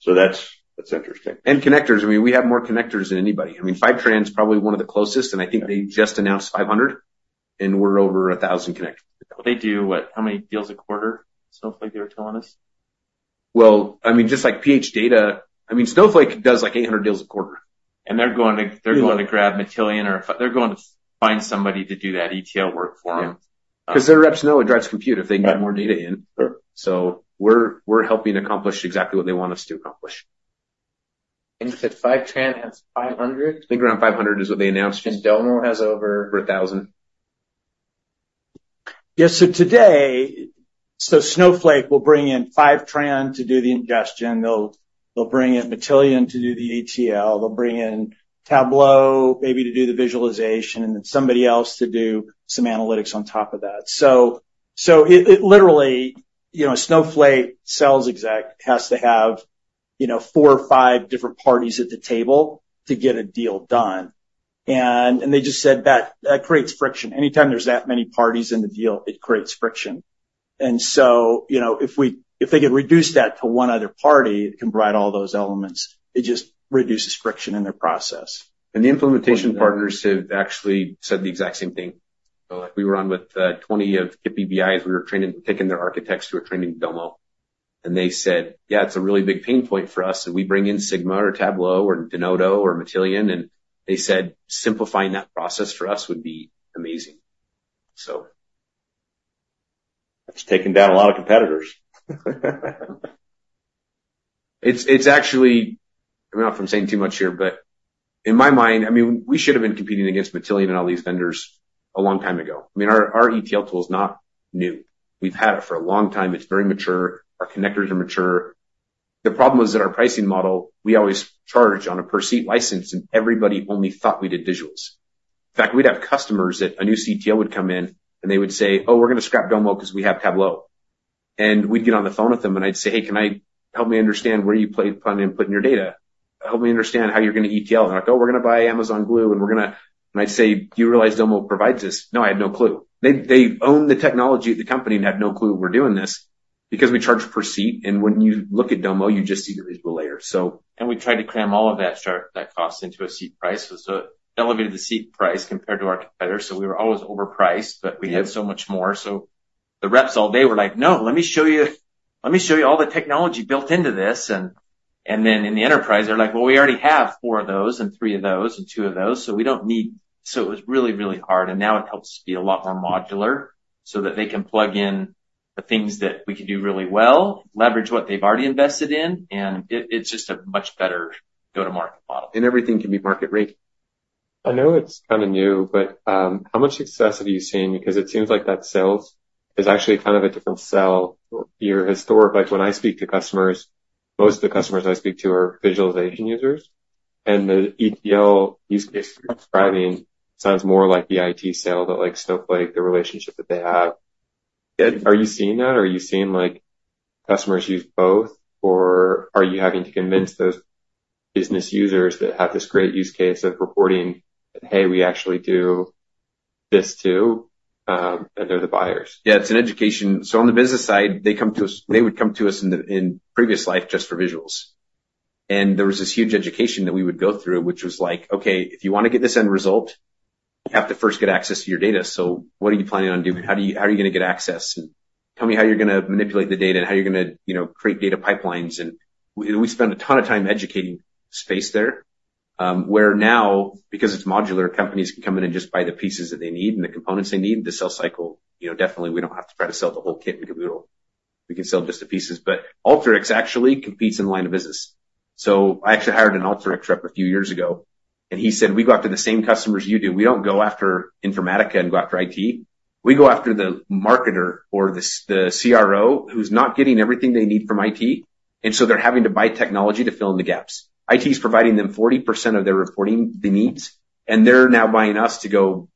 Speaker 4: So that's, that's interesting.
Speaker 2: Connectors. I mean, we have more connectors than anybody. I mean, Fivetran is probably one of the closest. I think they just announced 500. And we're over 1,000 connectors.
Speaker 3: They do what? How many deals a quarter, Snowflake, they were telling us?
Speaker 2: Well, I mean, just, like, phData, I mean, Snowflake does, like, 800 deals a quarter. They're going to grab Matillion or they're going to find somebody to do that ETL work for them.
Speaker 3: Yeah. Because their reps know it drives compute if they can get more data in.
Speaker 2: Sure. So we're helping accomplish exactly what they want us to accomplish.
Speaker 3: You said Fivetran has 500?
Speaker 2: I think around 500 is what they announced.
Speaker 3: Domo has over. Over 1,000.
Speaker 2: Yeah. So today, Snowflake will bring in Fivetran to do the ingestion. They'll bring in Matillion to do the ETL. They'll bring in Tableau, maybe, to do the visualization. And then somebody else to do some analytics on top of that. So it literally, you know, a Snowflake sales exec has to have, you know, four or five different parties at the table to get a deal done. And they just said that creates friction. Anytime there's that many parties in the deal, it creates friction. And so, you know, if they could reduce that to one other party that can provide all those elements, it just reduces friction in their process. The implementation partners have actually said the exact same thing. So, like, we were on with 20 of Kipi.bi as we were training taking their architects who are training Domo. And they said, "Yeah. It's a really big pain point for us. And we bring in Sigma or Tableau or Denodo or Matillion." And they said, "Simplifying that process for us would be amazing," so.
Speaker 3: That's taking down a lot of competitors.
Speaker 2: It's, it's actually I'm not trying to say too much here. But in my mind, I mean, we should have been competing against Matillion and all these vendors a long time ago. I mean, our, our ETL tool is not new. We've had it for a long time. It's very mature. Our connectors are mature. The problem was that our pricing model, we always charge on a per-seat license. And everybody only thought we did visuals. In fact, we'd have customers that a new CTO would come in. And they would say, "Oh, we're gonna scrap Domo because we have Tableau." And we'd get on the phone with them. And I'd say, "Hey, can I help you understand where you're planning on putting your data? Help me understand how you're gonna ETL." And they're like, "Oh, we're gonna buy Amazon Glue. And we're gonna—and I'd say, "Do you realize Domo provides this?" "No. I had no clue." They own the technology at the company and had no clue we're doing this because we charge per seat. And when you look at Domo, you just see the visual layer, so. We tried to cram all of that chart that cost into a seat price. So it elevated the seat price compared to our competitors. So we were always overpriced. But we had so much more. So the reps all day were like, "No. Let me show you let me show you all the technology built into this." And then in the enterprise, they're like, "Well, we already have four of those and three of those and two of those. So we don't need" so it was really, really hard. And now, it helps be a lot more modular so that they can plug in the things that we can do really well, leverage what they've already invested in. And it, it's just a much better go-to-market model. Everything can be market rate.
Speaker 4: I know it's kinda new. But, how much success have you seen? Because it seems like that sales is actually kind of a different sell. Historically, like, when I speak to customers, most of the customers I speak to are visualization users. And the ETL use case you're describing sounds more like the IT sale but, like, Snowflake, the relationship that they have.
Speaker 2: Yeah.
Speaker 4: Are you seeing that? Or are you seeing, like, customers use both? Or are you having to convince those business users that have this great use case of reporting that, "Hey, we actually do this too"? And they're the buyers.
Speaker 2: Yeah. It's an education. So on the business side, they would come to us in the previous life just for visuals. And there was this huge education that we would go through, which was like, "Okay. If you wanna get this end result, you have to first get access to your data. So what are you planning on doing? How are you gonna get access? And tell me how you're gonna manipulate the data and how you're gonna, you know, create data pipelines." And we spent a ton of time educating space there, where now, because it's modular, companies can come in and just buy the pieces that they need and the components they need. The sales cycle, you know, definitely, we don't have to try to sell the whole kit and caboodle. We can sell just the pieces. But Alteryx, actually, competes in the line of business. So I actually hired an Alteryx rep a few years ago. And he said, "We go after the same customers you do. We don't go after Informatica and go after IT. We go after the marketer or the CRO who's not getting everything they need from IT. And so they're having to buy technology to fill in the gaps. IT's providing them 40% of their reporting they need. And they're now buying us to go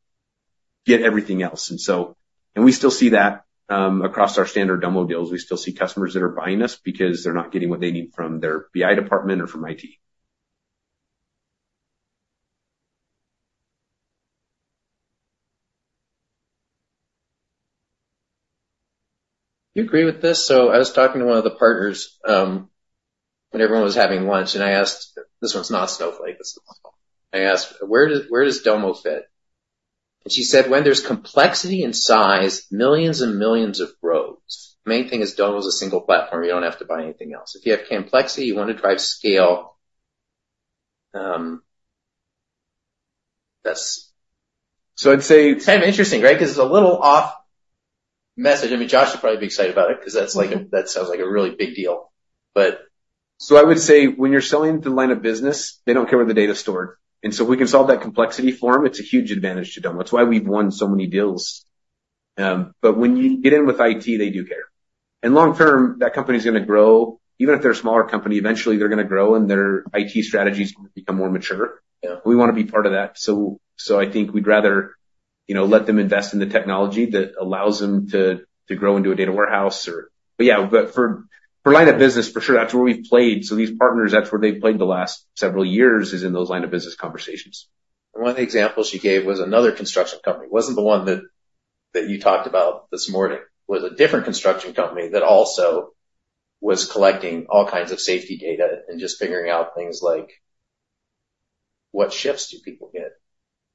Speaker 2: get everything else." And so we still see that, across our standard Domo deals. We still see customers that are buying us because they're not getting what they need from their BI department or from IT.
Speaker 4: Do you agree with this? So I was talking to one of the partners, when everyone was having lunch. And I asked this one's not Snowflake. This is my phone. I asked, "Where does Domo fit?" And she said, "When there's complexity and size, millions and millions of rows. The main thing is Domo's a single platform. You don't have to buy anything else. If you have complexity, you wanna drive scale." That's.
Speaker 2: I'd say.
Speaker 4: It's kind of interesting, right, because it's a little off message. I mean, Josh should probably be excited about it because that's, like, that sounds like a really big deal. But.
Speaker 2: So I would say, when you're selling the line of business, they don't care where the data's stored. And so we can solve that complexity for them. It's a huge advantage to Domo. That's why we've won so many deals. But when you get in with IT, they do care. And long term, that company's gonna grow. Even if they're a smaller company, eventually, they're gonna grow. And their IT strategy's gonna become more mature.
Speaker 4: Yeah.
Speaker 2: We wanna be part of that. So, I think we'd rather, you know, let them invest in the technology that allows them to grow into a data warehouse or but yeah. But for line of business, for sure, that's where we've played. So these partners, that's where they've played the last several years is in those line of business conversations.
Speaker 4: One of the examples you gave was another construction company. It wasn't the one that you talked about this morning. It was a different construction company that also was collecting all kinds of safety data and just figuring out things like, "What shifts do people get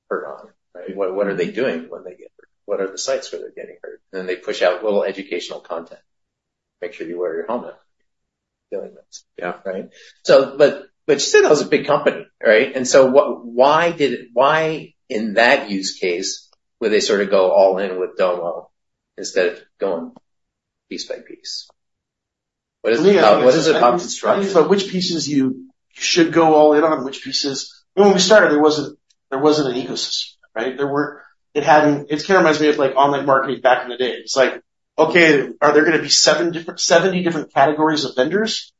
Speaker 4: hurt on, right? What are they doing when they get hurt? What are the sites where they're getting hurt?" And then they push out little educational content, "Make sure you wear your helmet dealing with this," right?
Speaker 2: Yeah.
Speaker 4: But you said that was a big company, right? And so, what? Why, in that use case, would they sort of go all in with Domo instead of going piece by piece? What is it about? What is it about?
Speaker 3: I mean, it's about which pieces you should go all in on, which pieces well, when we started, there wasn't an ecosystem, right? There weren't. It hadn't. It kinda reminds me of, like, online marketing back in the day. It's like, "Okay. Are there gonna be 7 different 70 different categories of vendors?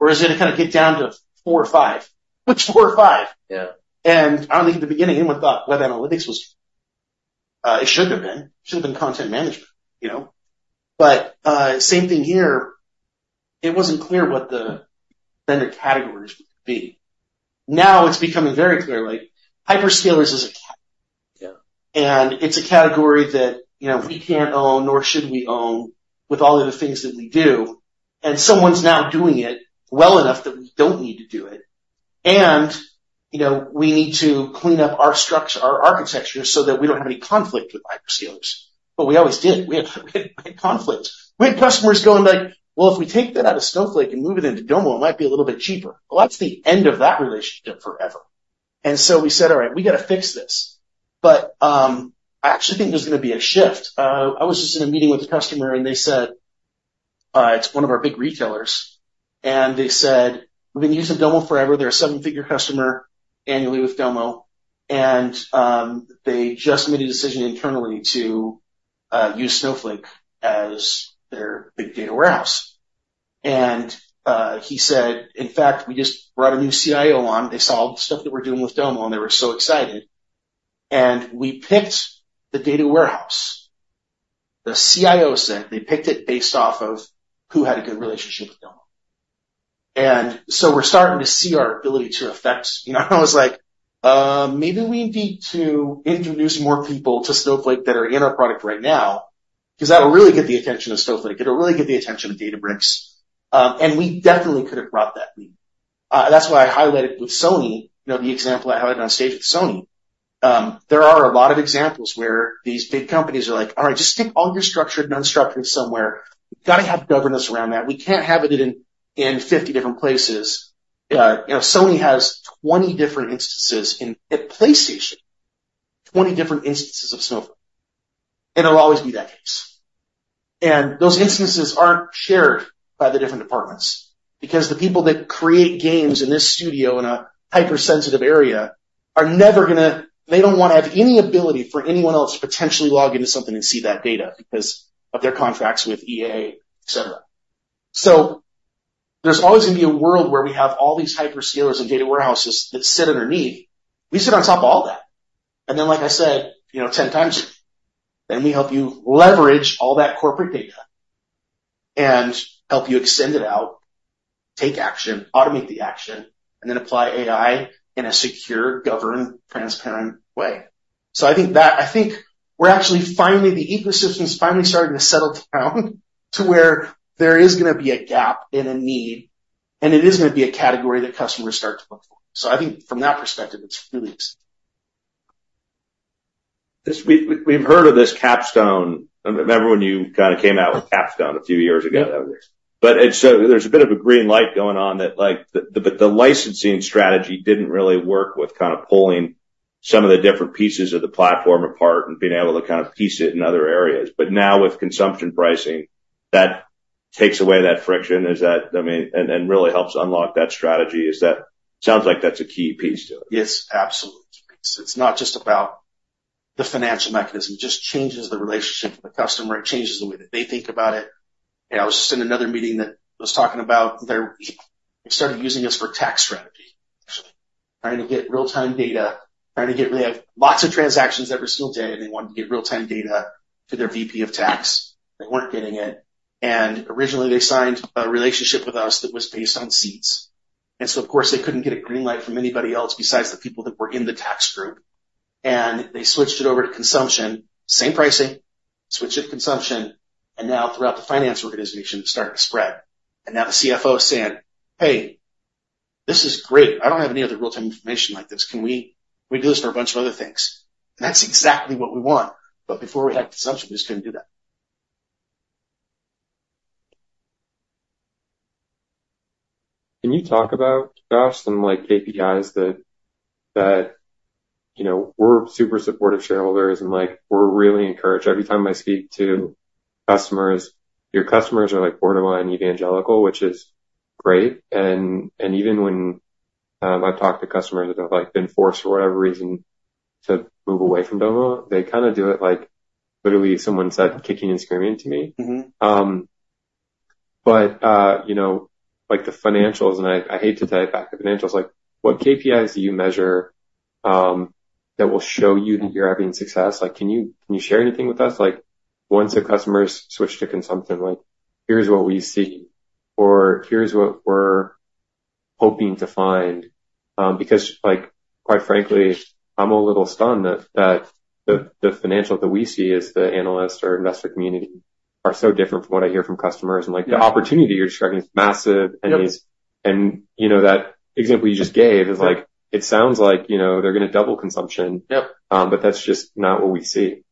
Speaker 3: Or is it gonna kinda get down to 4 or 5? What's 4 or 5?
Speaker 2: Yeah.
Speaker 3: I don't think, at the beginning, anyone thought web analytics was it should have been. It should have been content management, you know? But same thing here. It wasn't clear what the vendor categories would be. Now, it's becoming very clear. Like, hyperscalers is a ca—
Speaker 2: Yeah.
Speaker 3: And it's a category that, you know, we can't own nor should we own with all of the things that we do. And someone's now doing it well enough that we don't need to do it. And, you know, we need to clean up our structure, our architecture so that we don't have any conflict with hyperscalers. But we always did. We had we had conflicts. We had customers going like, "Well, if we take that out of Snowflake and move it into Domo, it might be a little bit cheaper." Well, that's the end of that relationship forever. And so we said, "All right. We gotta fix this." But, I actually think there's gonna be a shift. I was just in a meeting with a customer. And they said, it's one of our big retailers. And they said, "We've been using Domo forever. They're a seven-figure customer annually with Domo. They just made a decision internally to use Snowflake as their big data warehouse. He said, "In fact, we just brought a new CIO on. They saw all the stuff that we're doing with Domo. They were so excited. We picked the data warehouse." The CIO said, "They picked it based off of who had a good relationship with Domo." So we're starting to see our ability to affect—you know, I was like, maybe we need to introduce more people to Snowflake that are in our product right now because that'll really get the attention of Snowflake. It'll really get the attention of Databricks." We definitely could have brought that lead. That's why I highlighted with Sony, you know, the example I highlighted on stage with Sony. There are a lot of examples where these big companies are like, "All right. Just stick all your structured and unstructured somewhere. We gotta have governance around that. We can't have it in 50 different places." You know, Sony has 20 different instances in at PlayStation, 20 different instances of Snowflake. And it'll always be that case. And those instances aren't shared by the different departments because the people that create games in this studio in a hypersensitive area are never gonna. They don't wanna have any ability for anyone else to potentially log into something and see that data because of their contracts with EA, etc. So there's always gonna be a world where we have all these hyperscalers and data warehouses that sit underneath. We sit on top of all that. And then, like I said, you know, 10 times a year, then we help you leverage all that corporate data and help you extend it out, take action, automate the action, and then apply AI in a secure, governed, transparent way. So I think that I think we're actually finally the ecosystem's finally starting to settle down to where there is gonna be a gap and a need. And it is gonna be a category that customers start to look for. So I think, from that perspective, it's really exciting.
Speaker 4: We've heard of this capstone. I remember when you kinda came out with capstone a few years ago.
Speaker 2: Yeah.
Speaker 4: That was it. But it's so there's a bit of a green light going on that, like, but the licensing strategy didn't really work with kinda pulling some of the different pieces of the platform apart and being able to kinda piece it in other areas. But now, with consumption pricing, that takes away that friction. Is that, I mean, and really helps unlock that strategy. Is that sounds like that's a key piece to it.
Speaker 2: Yes. Absolutely. It's a piece. It's not just about the financial mechanism. It just changes the relationship with the customer. It changes the way that they think about it. And I was just in another meeting that I was talking about. They started using us for tax strategy, actually, trying to get real-time data, trying to really have lots of transactions every single day. And they wanted to get real-time data to their VP of Tax. They weren't getting it. And originally, they signed a relationship with us that was based on seats. And so, of course, they couldn't get a green light from anybody else besides the people that were in the tax group. And they switched it over to consumption, same pricing, switched it to consumption. And now, throughout the finance organization, it's starting to spread. And now, the CFO's saying, "Hey, this is great. I don't have any other real-time information like this. Can we do this for a bunch of other things? That's exactly what we want. Before we had consumption, we just couldn't do that.
Speaker 4: Can you talk about, Josh, some like KPIs that you know we're super supportive shareholders and like we're really encouraged? Every time I speak to customers, your customers are like borderline evangelical, which is great. And even when I've talked to customers that have like been forced, for whatever reason, to move away from Domo, they kinda do it like literally, someone said, kicking and screaming to me.
Speaker 3: Mm-hmm.
Speaker 4: But, you know, like, the financials, and I hate to tie it back to financials. Like, what KPIs do you measure that will show you that you're having success? Like, can you share anything with us? Like, once a customer's switched to consumption, like, "Here's what we see," or, "Here's what we're hoping to find," because, like, quite frankly, I'm a little stunned that the financials that we see as the analyst or investor community are so different from what I hear from customers. And, like, the opportunity you're describing is massive.
Speaker 3: Yep.
Speaker 4: And it's, you know, that example you just gave is, like, it sounds like, you know, they're gonna double consumption.
Speaker 3: Yep.
Speaker 4: but that's just not what we see.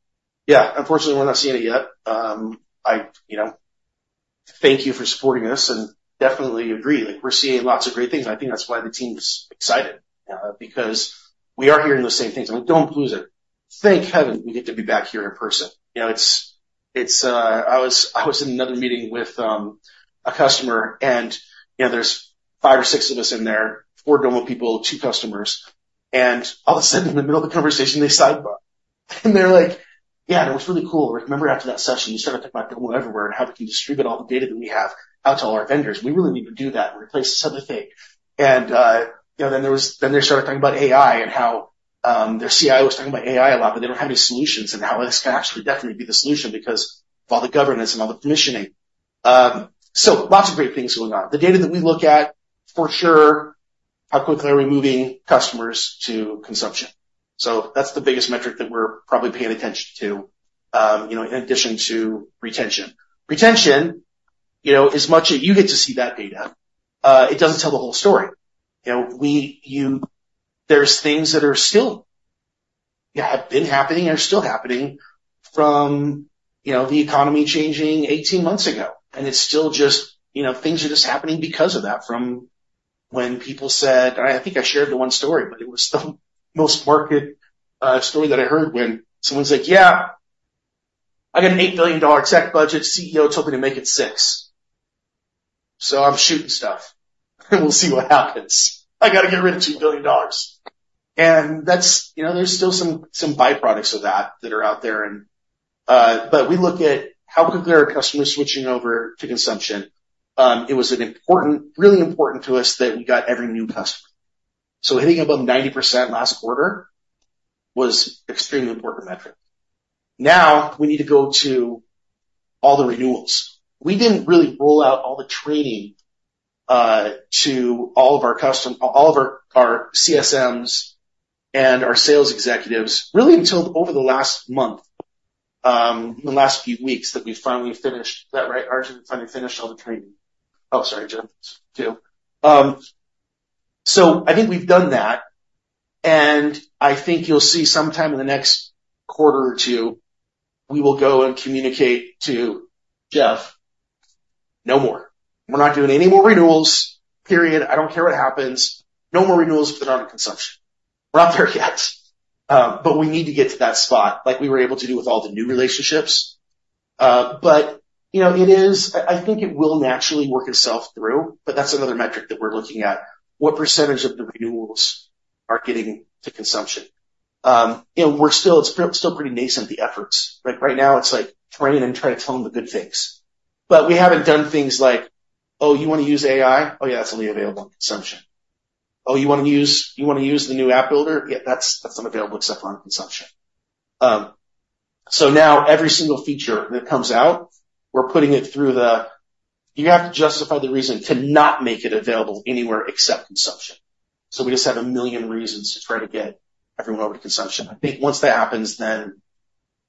Speaker 3: Yeah. Unfortunately, we're not seeing it yet. I, you know, thank you for supporting us. And definitely agree. Like, we're seeing lots of great things. And I think that's why the team's excited, because we are hearing those same things. And we don't lose it. Thank heavens, we get to be back here in person. You know, it's. I was in another meeting with a customer. And, you know, there's five or six of us in there, four Domo people, two customers. And all of a sudden, in the middle of the conversation, they sidebar. And they're like, "Yeah. And it was really cool. Remember, after that session, you started talking about Domo Everywhere and how we can distribute all the data that we have out to all our vendors. We really need to do that and replace this other thing." And, you know, then they started talking about AI and how their CIO was talking about AI a lot. But they don't have any solutions and how this can actually definitely be the solution because of all the governance and all the permissioning. So lots of great things going on. The data that we look at, for sure, how quickly are we moving customers to consumption? So that's the biggest metric that we're probably paying attention to, you know, in addition to retention. Retention, you know, as much as you get to see that data, it doesn't tell the whole story. You know, we you there's things that are still, you know, have been happening and are still happening from, you know, the economy changing 18 months ago. It's still just, you know, things are just happening because of that from when people said and I think I shared the one story. But it was the most market story that I heard when someone's like, "Yeah. I got an $8 billion tech budget. CEO told me to make it six. So I'm shooting stuff. We'll see what happens. I gotta get rid of $2 billion." And that's, you know, there's still some byproducts of that that are out there. But we look at how quickly our customers are switching over to consumption. It was an important, really important to us that we got every new customer. So hitting above 90% last quarter was an extremely important metric. Now, we need to go to all the renewals. We didn't really roll out all the training to all of our, our CSMs and our sales executives really until over the last month, the last few weeks that we finally finished. Is that right? RJ finally finished all the training. Oh, sorry, Jeff, too. So I think we've done that. And I think you'll see sometime in the next quarter or two we will go and communicate to Jeff, "No more. We're not doing any more renewals, period. I don't care what happens. No more renewals if they're not in consumption." We're not there yet, but we need to get to that spot, like we were able to do with all the new relationships. But you know, it is, I think it will naturally work itself through. But that's another metric that we're looking at, what percentage of the renewals are getting to consumption? You know, we're still, it's still pretty nascent, the efforts, right? Right now, it's like, train and try to tell them the good things. But we haven't done things like, "Oh, you wanna use AI? Oh, yeah. That's only available on consumption." "Oh, you wanna use you wanna use the new app builder? Yeah. That's, that's unavailable except for on consumption." So now, every single feature that comes out, we're putting it through the you have to justify the reason to not make it available anywhere except consumption. So we just have a million reasons to try to get everyone over to consumption. I think, once that happens, then,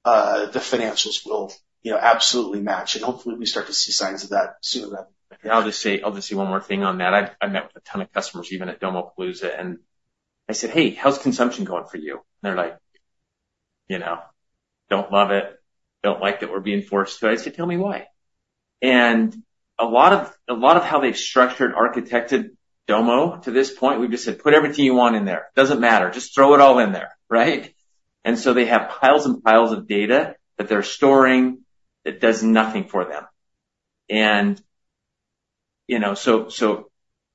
Speaker 3: the financials will, you know, absolutely match. And hopefully, we start to see signs of that sooner than I think.
Speaker 2: And I'll just say I'll just say one more thing on that. I've, I've met with a ton of customers, even at Domo Palooza. And I said, "Hey, how's consumption going for you?" And they're like, you know, "Don't love it. Don't like that we're being forced to." I said, "Tell me why." And a lot of a lot of how they've structured, architected Domo to this point, we've just said, "Put everything you want in there. Doesn't matter. Just throw it all in there," right? And so they have piles and piles of data that they're storing that does nothing for them. And, you know, so, so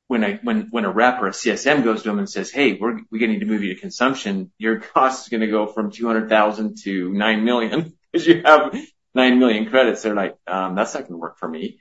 Speaker 2: when I when, when a rep or a CSM goes to them and says, "Hey, we're we're getting to move you to consumption. Your cost is gonna go from $200,000 to $9 million because you have 9 million credits," they're like, "that's not gonna work for me."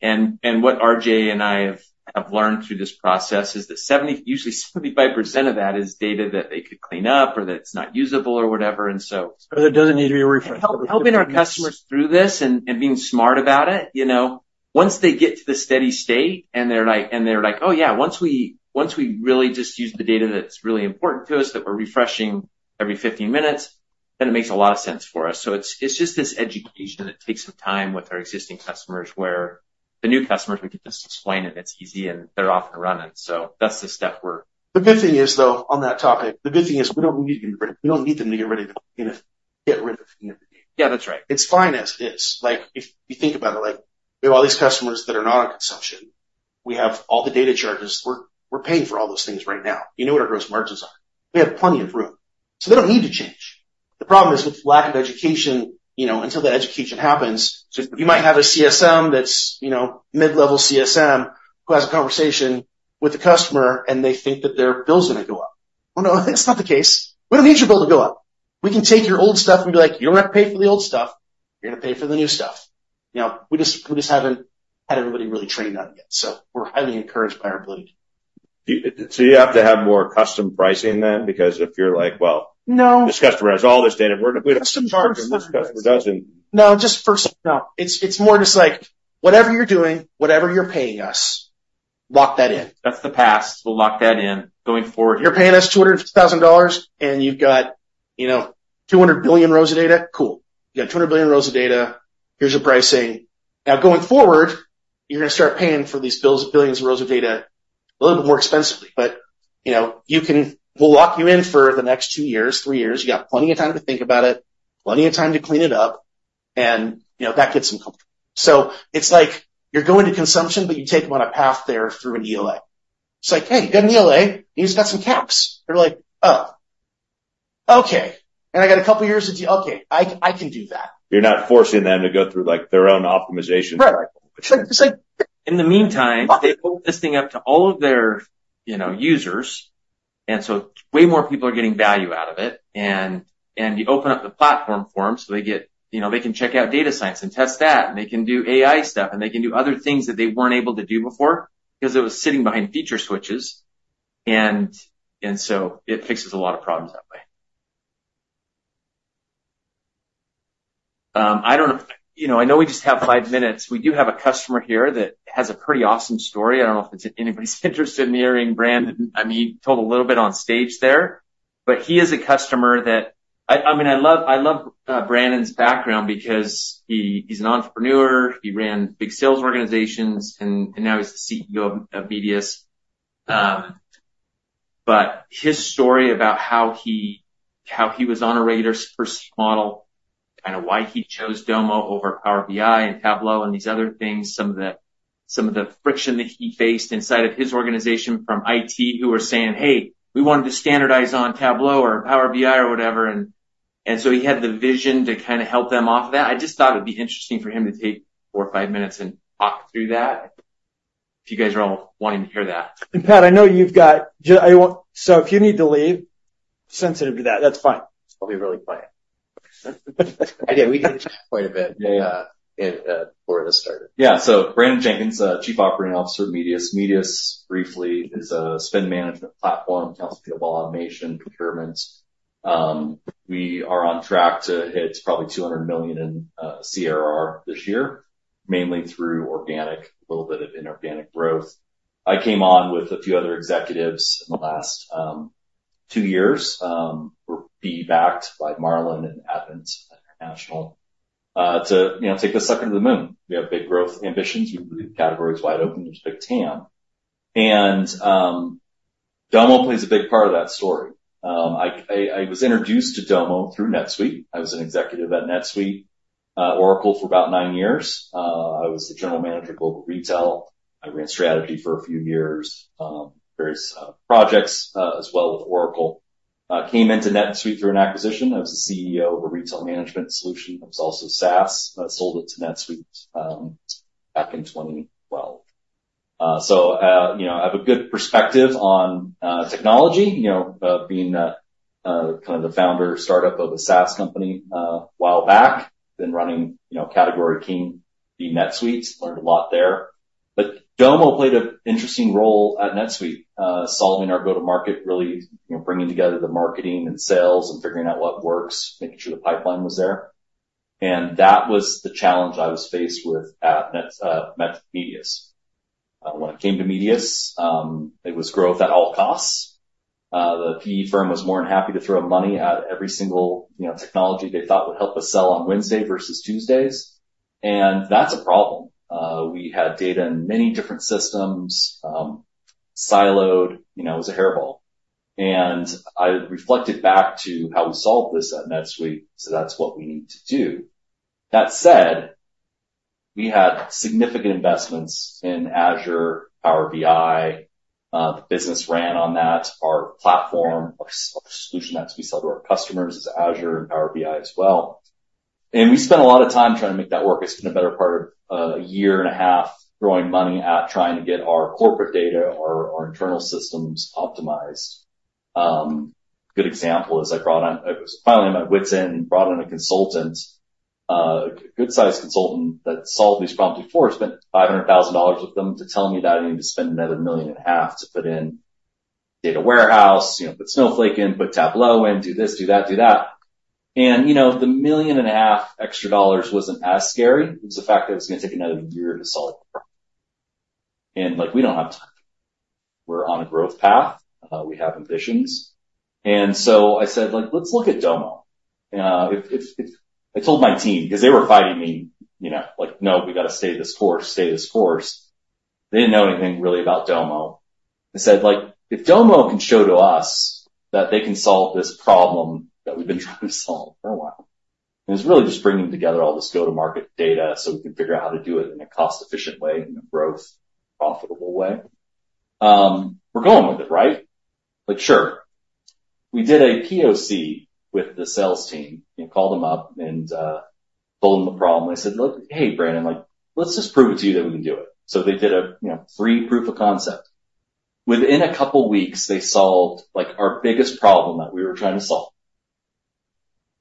Speaker 2: And what RJ and I have learned through this process is that 70 usually, 75% of that is data that they could clean up or that it's not usable or whatever. And so. So that doesn't need to be refreshed. Helping our customers through this and being smart about it, you know, once they get to the steady state and they're like, "Oh, yeah. Once we really just use the data that's really important to us, that we're refreshing every 15 minutes, then it makes a lot of sense for us." So it's just this education that takes some time with our existing customers where the new customers, we can just explain it. It's easy. And they're off and running. So that's the step we're.
Speaker 3: The good thing is, though, on that topic, the good thing is, we don't need them to get rid of the, you know, get rid of the end of the day.
Speaker 2: Yeah. That's right.
Speaker 3: It's fine as it is. Like, if you think about it, like, we have all these customers that are not on consumption. We have all the data charges. We're paying for all those things right now. You know what our gross margins are. We have plenty of room. So they don't need to change. The problem is, with lack of education, you know, until that education happens, you might have a CSM that's, you know, mid-level CSM who has a conversation with the customer. And they think that their bill's gonna go up. Well, no. That's not the case. We don't need your bill to go up. We can take your old stuff and be like, "You don't have to pay for the old stuff. You're gonna pay for the new stuff." You know, we just haven't had everybody really trained on it yet. We're highly encouraged by our ability to.
Speaker 4: Do you? So you have to have more custom pricing then because if you're like, "Well.
Speaker 3: No.
Speaker 4: This customer has all this data. We don't have to.
Speaker 3: Custom charge.
Speaker 4: Customer doesn't.
Speaker 3: No. Just for no. It's, it's more just, like, whatever you're doing, whatever you're paying us, lock that in.
Speaker 4: That's the past. We'll lock that in. Going forward.
Speaker 3: You're paying us $250,000. And you've got, you know, 200 billion rows of data. Cool. You got 200 billion rows of data. Here's your pricing. Now, going forward, you're gonna start paying for these billions of rows of data a little bit more expensively. But, you know, you can, we'll lock you in for the next two years, three years. You got plenty of time to think about it, plenty of time to clean it up. And, you know, that gets them comfortable. So it's like, you're going to consumption. But you take them on a path there through an ELA. It's like, "Hey. You got an ELA. And you just got some caps." They're like, "Oh, okay. And I got a couple years of de okay. I, I can do that.
Speaker 4: You're not forcing them to go through, like, their own optimization cycle.
Speaker 3: Right. It's like.
Speaker 2: In the meantime, they pull this thing up to all of their, you know, users. And so way more people are getting value out of it. And you open up the platform for them. So they get, you know, they can check out data science and test that. And they can do AI stuff. And they can do other things that they weren't able to do before because it was sitting behind feature switches. And so it fixes a lot of problems that way. I don't know. You know, I know we just have five minutes. We do have a customer here that has a pretty awesome story. I don't know if anybody's interested in hearing. Branden, I mean, he told a little bit on stage there. But he is a customer that I, I mean, I love. I love Branden's background because he, he's an entrepreneur. He ran big sales organizations. And now, he's the CEO of Medius. But his story about how he was on a federated model, kinda why he chose Domo over Power BI and Tableau and these other things, some of the friction that he faced inside of his organization from IT who were saying, "Hey. We wanted to standardize on Tableau or Power BI or whatever." And so he had the vision to kinda help them off of that. I just thought it'd be interesting for him to take four or five minutes and talk through that if you guys are all wanting to hear that.
Speaker 1: Pat, I know you've got to. I won't. So if you need to leave. Sensitive to that. That's fine.
Speaker 5: I'll be really quiet. I did. We did the chat quite a bit before this started. Yeah. So Branden Jenkins, Chief Operating Officer at Medius. Medius, briefly, is a spend management platform, counseling people on automation, procurement. We are on track to hit probably $200 million in CRR this year, mainly through organic, a little bit of inorganic growth. I came on with a few other executives in the last 2 years. We're backed by Marlin and Advent International, to, you know, take the sucker to the moon. We have big growth ambitions. We leave categories wide open. There's a big TAM. And, Domo plays a big part of that story. I was introduced to Domo through NetSuite. I was an executive at NetSuite, Oracle for about 9 years. I was the general manager of global retail. I ran strategy for a few years, various projects, as well with Oracle. Came into NetSuite through an acquisition. I was the CEO of a retail management solution. I was also SaaS. I sold it to NetSuite, back in 2012. So, you know, I have a good perspective on technology, you know, being kinda the founder startup of a SaaS company a while back, been running, you know, Category King at NetSuite. Learned a lot there. But Domo played an interesting role at NetSuite, solving our go-to-market, really, you know, bringing together the marketing and sales and figuring out what works, making sure the pipeline was there. And that was the challenge I was faced with at NetSuite, Medius. When it came to Medius, it was growth at all costs. The PE firm was more than happy to throw money at every single, you know, technology they thought would help us sell on Wednesday versus Tuesdays. And that's a problem. We had data in many different systems, siloed. You know, it was a hairball. And I reflected back to how we solved this at NetSuite. So that's what we need to do. That said, we had significant investments in Azure, Power BI. The business ran on that. Our platform, our, our solution that we sell to our customers is Azure and Power BI as well. And we spent a lot of time trying to make that work. I spent a better part of, a year and a half throwing money at trying to get our corporate data, our, our internal systems optimized. Good example is, I brought on it was finally my wits' end and brought in a consultant, a good-sized consultant that solved these problems before. I spent $500,000 with them to tell me that I needed to spend another $1.5 million to put in data warehouse, you know, put Snowflake in, put Tableau in, do this, do that, do that. And, you know, the $1.5 million extra dollars wasn't as scary. It was the fact that it was gonna take another year to solve the problem. And, like, we don't have time. We're on a growth path. We have ambitions. And so I said, like, "Let's look at Domo." If I told my team because they were fighting me, you know, like, "No. We gotta stay this course. Stay this course." They didn't know anything, really, about Domo. I said, like, "If Domo can show to us that they can solve this problem that we've been trying to solve for a while and it's really just bringing together all this go-to-market data so we can figure out how to do it in a cost-efficient way and a growth-profitable way, we're going with it, right?" Like, sure. We did a POC with the sales team, you know, called them up and told them the problem. I said, "Look, hey, Branden. Like, let's just prove it to you that we can do it." So they did a, you know, three proof of concept. Within a couple weeks, they solved, like, our biggest problem that we were trying to solve.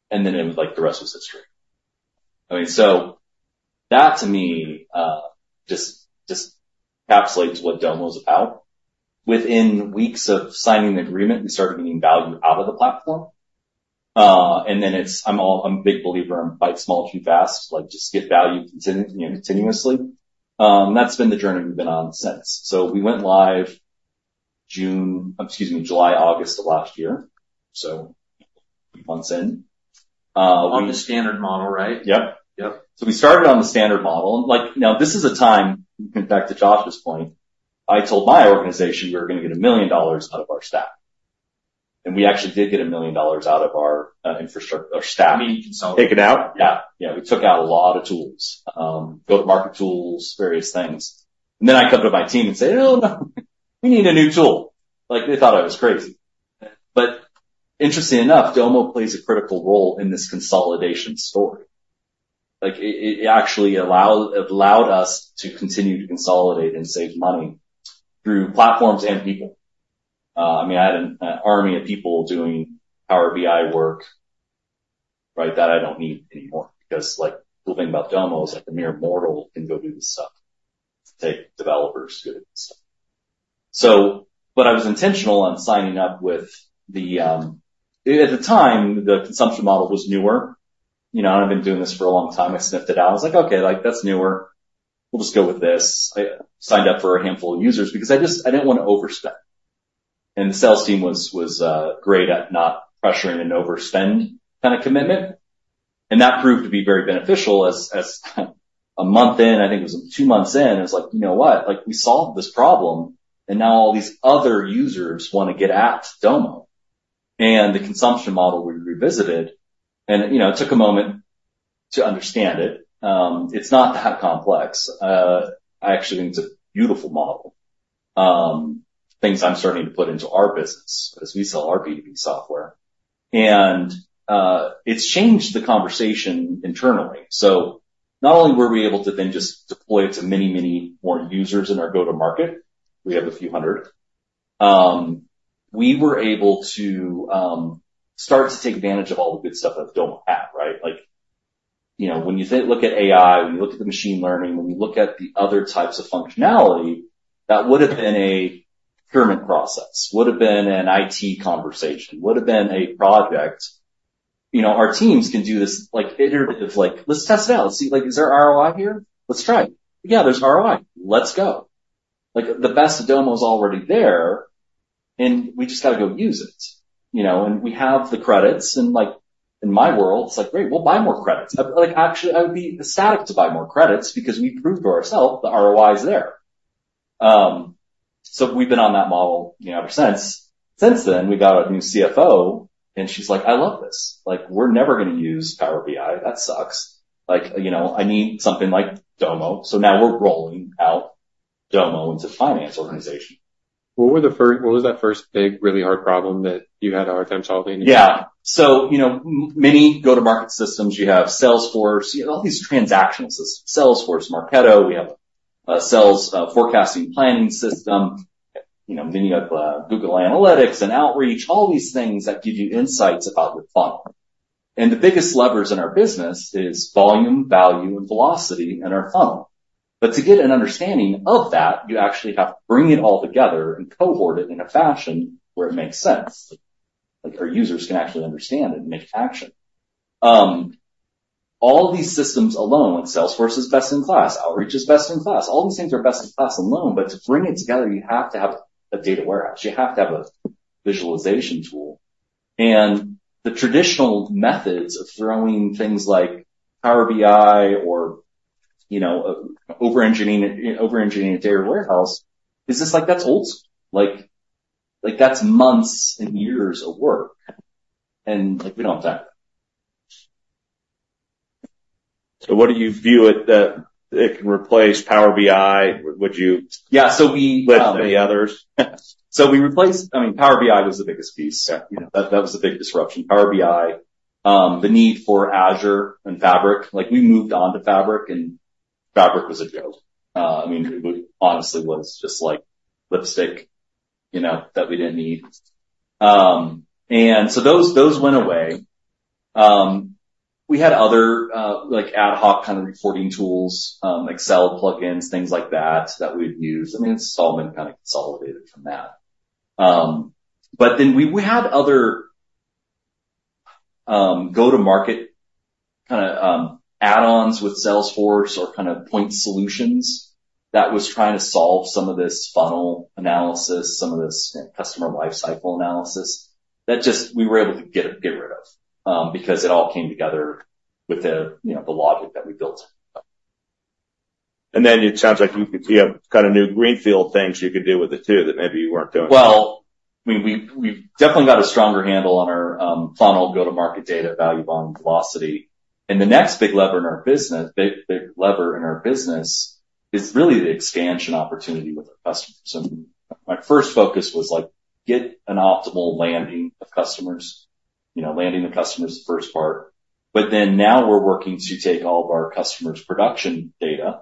Speaker 5: And then it was like, the rest was history. I mean, so that, to me, just, just encapsulates what Domo is about. Within weeks of signing the agreement, we started getting value out of the platform. And then, it's, I'm all, I'm a big believer in bite small, chew fast. Like, just get value, you know, continuously. That's been the journey we've been on since. So we went live June, excuse me, July, August of last year, so a few months in. We.
Speaker 3: On the standard model, right?
Speaker 5: Yep. Yep. So we started on the standard model. Like, now, this is a time and, in fact, to Josh's point, I told my organization we were gonna get $1 million out of our staff. And we actually did get $1 million out of our infrastructure, our staff.
Speaker 3: Meaning consolidate.
Speaker 5: Taken out? Yeah. Yeah. We took out a lot of tools, go-to-market tools, various things. And then I come to my team and say, "Oh, no. We need a new tool." Like, they thought I was crazy. But interestingly enough, Domo plays a critical role in this consolidation story. Like, it actually allowed us to continue to consolidate and save money through platforms and people. I mean, I had an army of people doing Power BI work, right, that I don't need anymore because, like, the cool thing about Domo is, like, the mere mortal can go do this stuff, take developers good at this stuff. But I was intentional on signing up with the, at the time, the consumption model was newer. You know, and I've been doing this for a long time. I sniffed it out. I was like, "Okay. Like, that's newer. We'll just go with this." I signed up for a handful of users because I just didn't wanna overspend. And the sales team was great at not pressuring an overspend kinda commitment. And that proved to be very beneficial as a month in, I think it was 2 months in. I was like, "You know what? Like, we solved this problem. And now, all these other users wanna get at Domo." And the consumption model we revisited and, you know, it took a moment to understand it. It's not that complex. I actually think it's a beautiful model, things I'm starting to put into our business as we sell our B2B software. And, it's changed the conversation internally. So not only were we able to then just deploy it to many, many more users in our go-to-market—we have a few hundred—we were able to start to take advantage of all the good stuff that Domo had, right? Like, you know, when you think look at AI, when you look at the machine learning, when you look at the other types of functionality, that would have been a procurement process, would have been an IT conversation, would have been a project. You know, our teams can do this, like, iterative, like, "Let's test it out. Let's see. Like, is there ROI here? Let's try it." "Yeah. There's ROI. Let's go." Like, the best of Domo's already there. And we just gotta go use it, you know? And we have the credits. And, like, in my world, it's like, "Great. We'll buy more credits." I, like, actually, I would be ecstatic to buy more credits because we proved to ourselves the ROI's there. So we've been on that model, you know, ever since. Since then, we got a new CFO. And she's like, "I love this. Like, we're never gonna use Power BI. That sucks. Like, you know, I need something like Domo." So now, we're rolling out Domo into the finance organization.
Speaker 4: What was that first big, really hard problem that you had a hard time solving?
Speaker 5: Yeah. So, you know, many go-to-market systems. You have Salesforce. You have all these transactional systems, Salesforce, Marketo. We have a sales forecasting planning system. You know, then you have Google Analytics and Outreach, all these things that give you insights about your funnel. And the biggest levers in our business is volume, value, and velocity in our funnel. But to get an understanding of that, you actually have to bring it all together and cohort it in a fashion where it makes sense, like, our users can actually understand it and make action. All these systems alone, like Salesforce is best in class. Outreach is best in class. All these things are best in class alone. But to bring it together, you have to have a data warehouse. You have to have a visualization tool. The traditional methods of throwing things like Power BI or, you know, over-engineering it, you know, over-engineering a data warehouse is just like, "That's old school." Like, like, that's months and years of work. Like, we don't have time for that.
Speaker 4: So what do you view it that it can replace Power BI? Would you?
Speaker 5: Yeah. So we.
Speaker 4: With any others?
Speaker 5: We replaced. I mean, Power BI was the biggest piece.
Speaker 4: Yeah.
Speaker 5: You know, that was the big disruption, Power BI, the need for Azure and Fabric. Like, we moved on to Fabric. Fabric was a joke. I mean, it honestly was just, like, lipstick, you know, that we didn't need. And so those went away. We had other, like, ad hoc kinda reporting tools, Excel plugins, things like that that we'd use. I mean, it's all been kinda consolidated from that. But then we had other, go-to-market kinda, add-ons with Salesforce or kinda point solutions that was trying to solve some of this funnel analysis, some of this, you know, customer life cycle analysis that just we were able to get rid of, because it all came together with the, you know, the logic that we built it.
Speaker 4: And then it sounds like you could have kinda new greenfield things you could do with it too that maybe you weren't doing.
Speaker 5: Well, I mean, we've definitely got a stronger handle on our funnel, go-to-market data, value bond, velocity. And the next big lever in our business, big, big lever in our business is really the expansion opportunity with our customers. I mean, my first focus was, like, get an optimal landing of customers, you know, landing the customers the first part. But then now, we're working to take all of our customers' production data,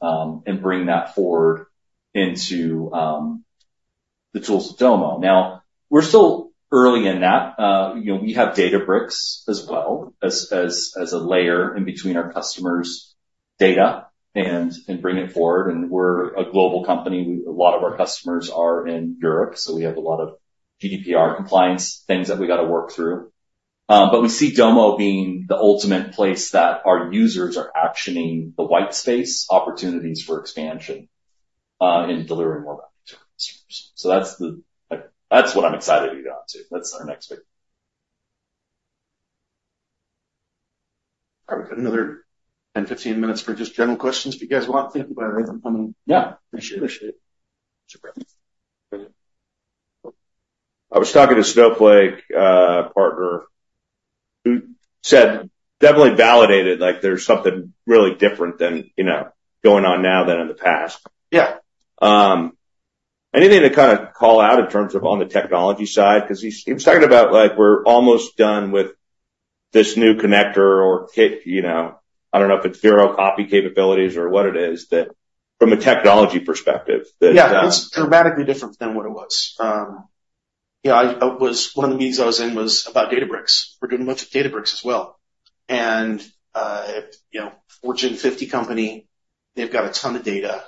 Speaker 5: and bring that forward into the tools of Domo. Now, we're still early in that. You know, we have Databricks as well as a layer in between our customers' data and bring it forward. And we're a global company. We have a lot of our customers are in Europe. So we have a lot of GDPR compliance things that we gotta work through. But we see Domo being the ultimate place that our users are actioning the white space opportunities for expansion, and delivering more value to our customers. So that's the, like, that's what I'm excited to get onto. That's our next big.
Speaker 1: Probably got another 10, 15 minutes for just general questions if you guys want. Thank you by the way for coming.
Speaker 5: Yeah.
Speaker 1: Appreciate it.
Speaker 5: Appreciate it. Super.
Speaker 4: I was talking to Snowflake partner who said definitely validated, like, there's something really different than, you know, going on now than in the past.
Speaker 2: Yeah.
Speaker 4: Anything to kinda call out in terms of on the technology side? 'Cause he's, he was talking about, like, "We're almost done with this new connector or kit," you know? I don't know if it's zero copy capabilities or what it is that from a technology perspective that.
Speaker 2: Yeah. It's dramatically different than what it was. You know, I, I was one of the meetings I was in was about Databricks. We're doing a bunch of Databricks as well. And, you know, Fortune 50 company, they've got a ton of data.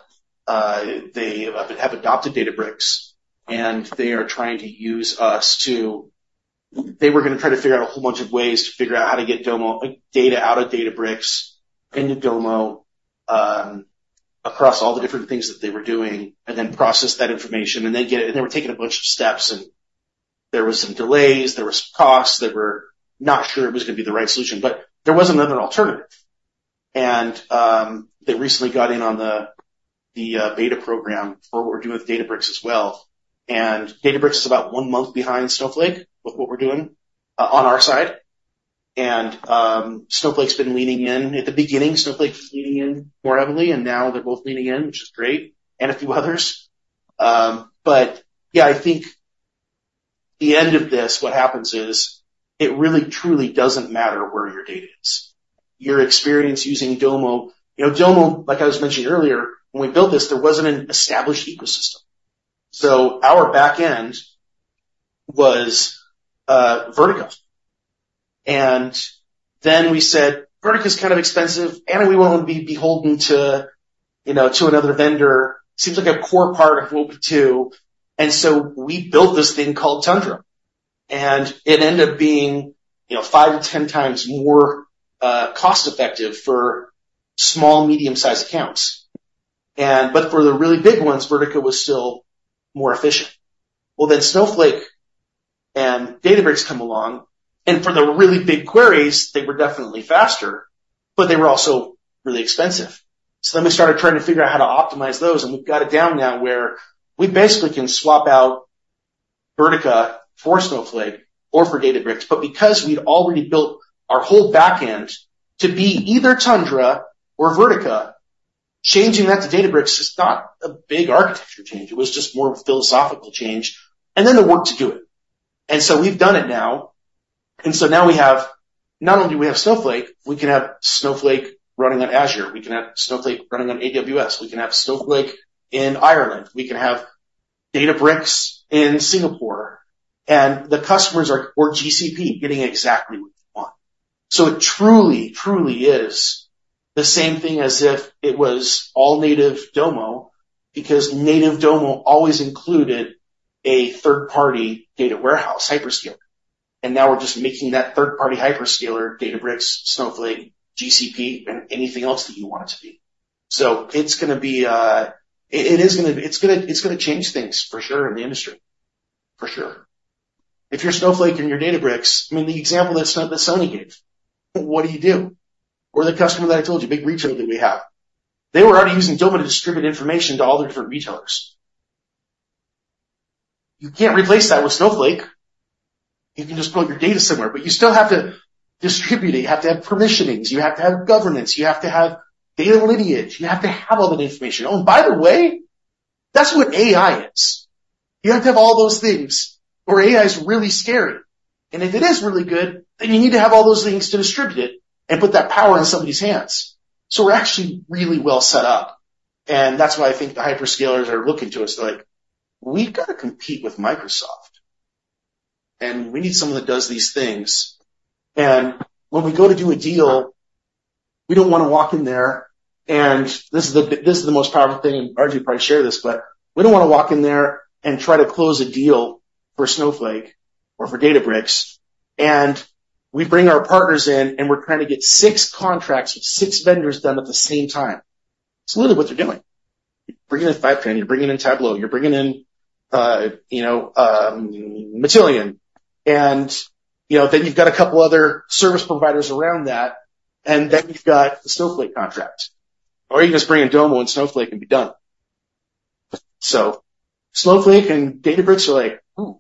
Speaker 2: They have adopted Databricks. And they are trying to use us to they were gonna try to figure out a whole bunch of ways to figure out how to get Domo, like, data out of Databricks, into Domo, across all the different things that they were doing, and then process that information, and then get it. And they were taking a bunch of steps. And there were some delays. There were some costs. They were not sure it was gonna be the right solution. But there was another alternative. And, they recently got in on the, the, beta program for what we're doing with Databricks as well. And Databricks is about one month behind Snowflake with what we're doing, on our side. And, Snowflake's been leaning in. At the beginning, Snowflake was leaning in more heavily. And now, they're both leaning in, which is great, and a few others. But yeah, I think the end of this, what happens is, it really, truly doesn't matter where your data is. Your experience using Domo you know, Domo, like I was mentioning earlier, when we built this, there wasn't an established ecosystem. So our backend was, Vertica. And then we said, "Vertica's kind of expensive. And we won't be beholden to, you know, to another vendor. Seems like a core part of what we do." And so we built this thing called Tundra. And it ended up being, you know, 5 to 10 times more cost-effective for small, medium-sized accounts. But for the really big ones, Vertica was still more efficient. Well, then Snowflake and Databricks come along. And for the really big queries, they were definitely faster. But they were also really expensive. So then we started trying to figure out how to optimize those. And we've got it down now where we basically can swap out Vertica for Snowflake or for Databricks. But because we'd already built our whole backend to be either Teradata or Vertica, changing that to Databricks is not a big architecture change. It was just more of a philosophical change and then the work to do it. And so we've done it now. And so now, we have not only do we have Snowflake, we can have Snowflake running on Azure. We can have Snowflake running on AWS. We can have Snowflake in Ireland. We can have Databricks in Singapore. The customers are on GCP getting exactly what they want. So it truly, truly is the same thing as if it was all native Domo because native Domo always included a third-party data warehouse, hyperscaler. And now, we're just making that third-party hyperscaler, Databricks, Snowflake, GCP, and anything else that you want it to be. So it's gonna be, it is gonna be. It's gonna change things for sure in the industry, for sure. If you're Snowflake and you're Databricks, I mean, the example that, that Sony gave, what do you do? Or the customer that I told you, big retailer that we have, they were already using Domo to distribute information to all their different retailers. You can't replace that with Snowflake. You can just put your data somewhere. But you still have to distribute it. You have to have permissions. You have to have governance. You have to have data lineage. You have to have all that information. Oh, and by the way, that's what AI is. You have to have all those things. Or AI's really scary. And if it is really good, then you need to have all those things to distribute it and put that power in somebody's hands. So we're actually really well set up. And that's why I think the hyperscalers are looking to us. They're like, "We gotta compete with Microsoft. And we need someone that does these things. And when we go to do a deal, we don't wanna walk in there." And this is the big this is the most powerful thing. And RJ probably shared this. But we don't wanna walk in there and try to close a deal for Snowflake or for Databricks. And we bring our partners in. And we're trying to get six contracts with six vendors done at the same time. It's literally what they're doing. You're bringing in Fivetran. You're bringing in Tableau. You're bringing in, you know, Matillion. And, you know, then you've got a couple other service providers around that. And then you've got the Snowflake contract. Or you can just bring in Domo and Snowflake and be done. So Snowflake and Databricks are like, "Ooh,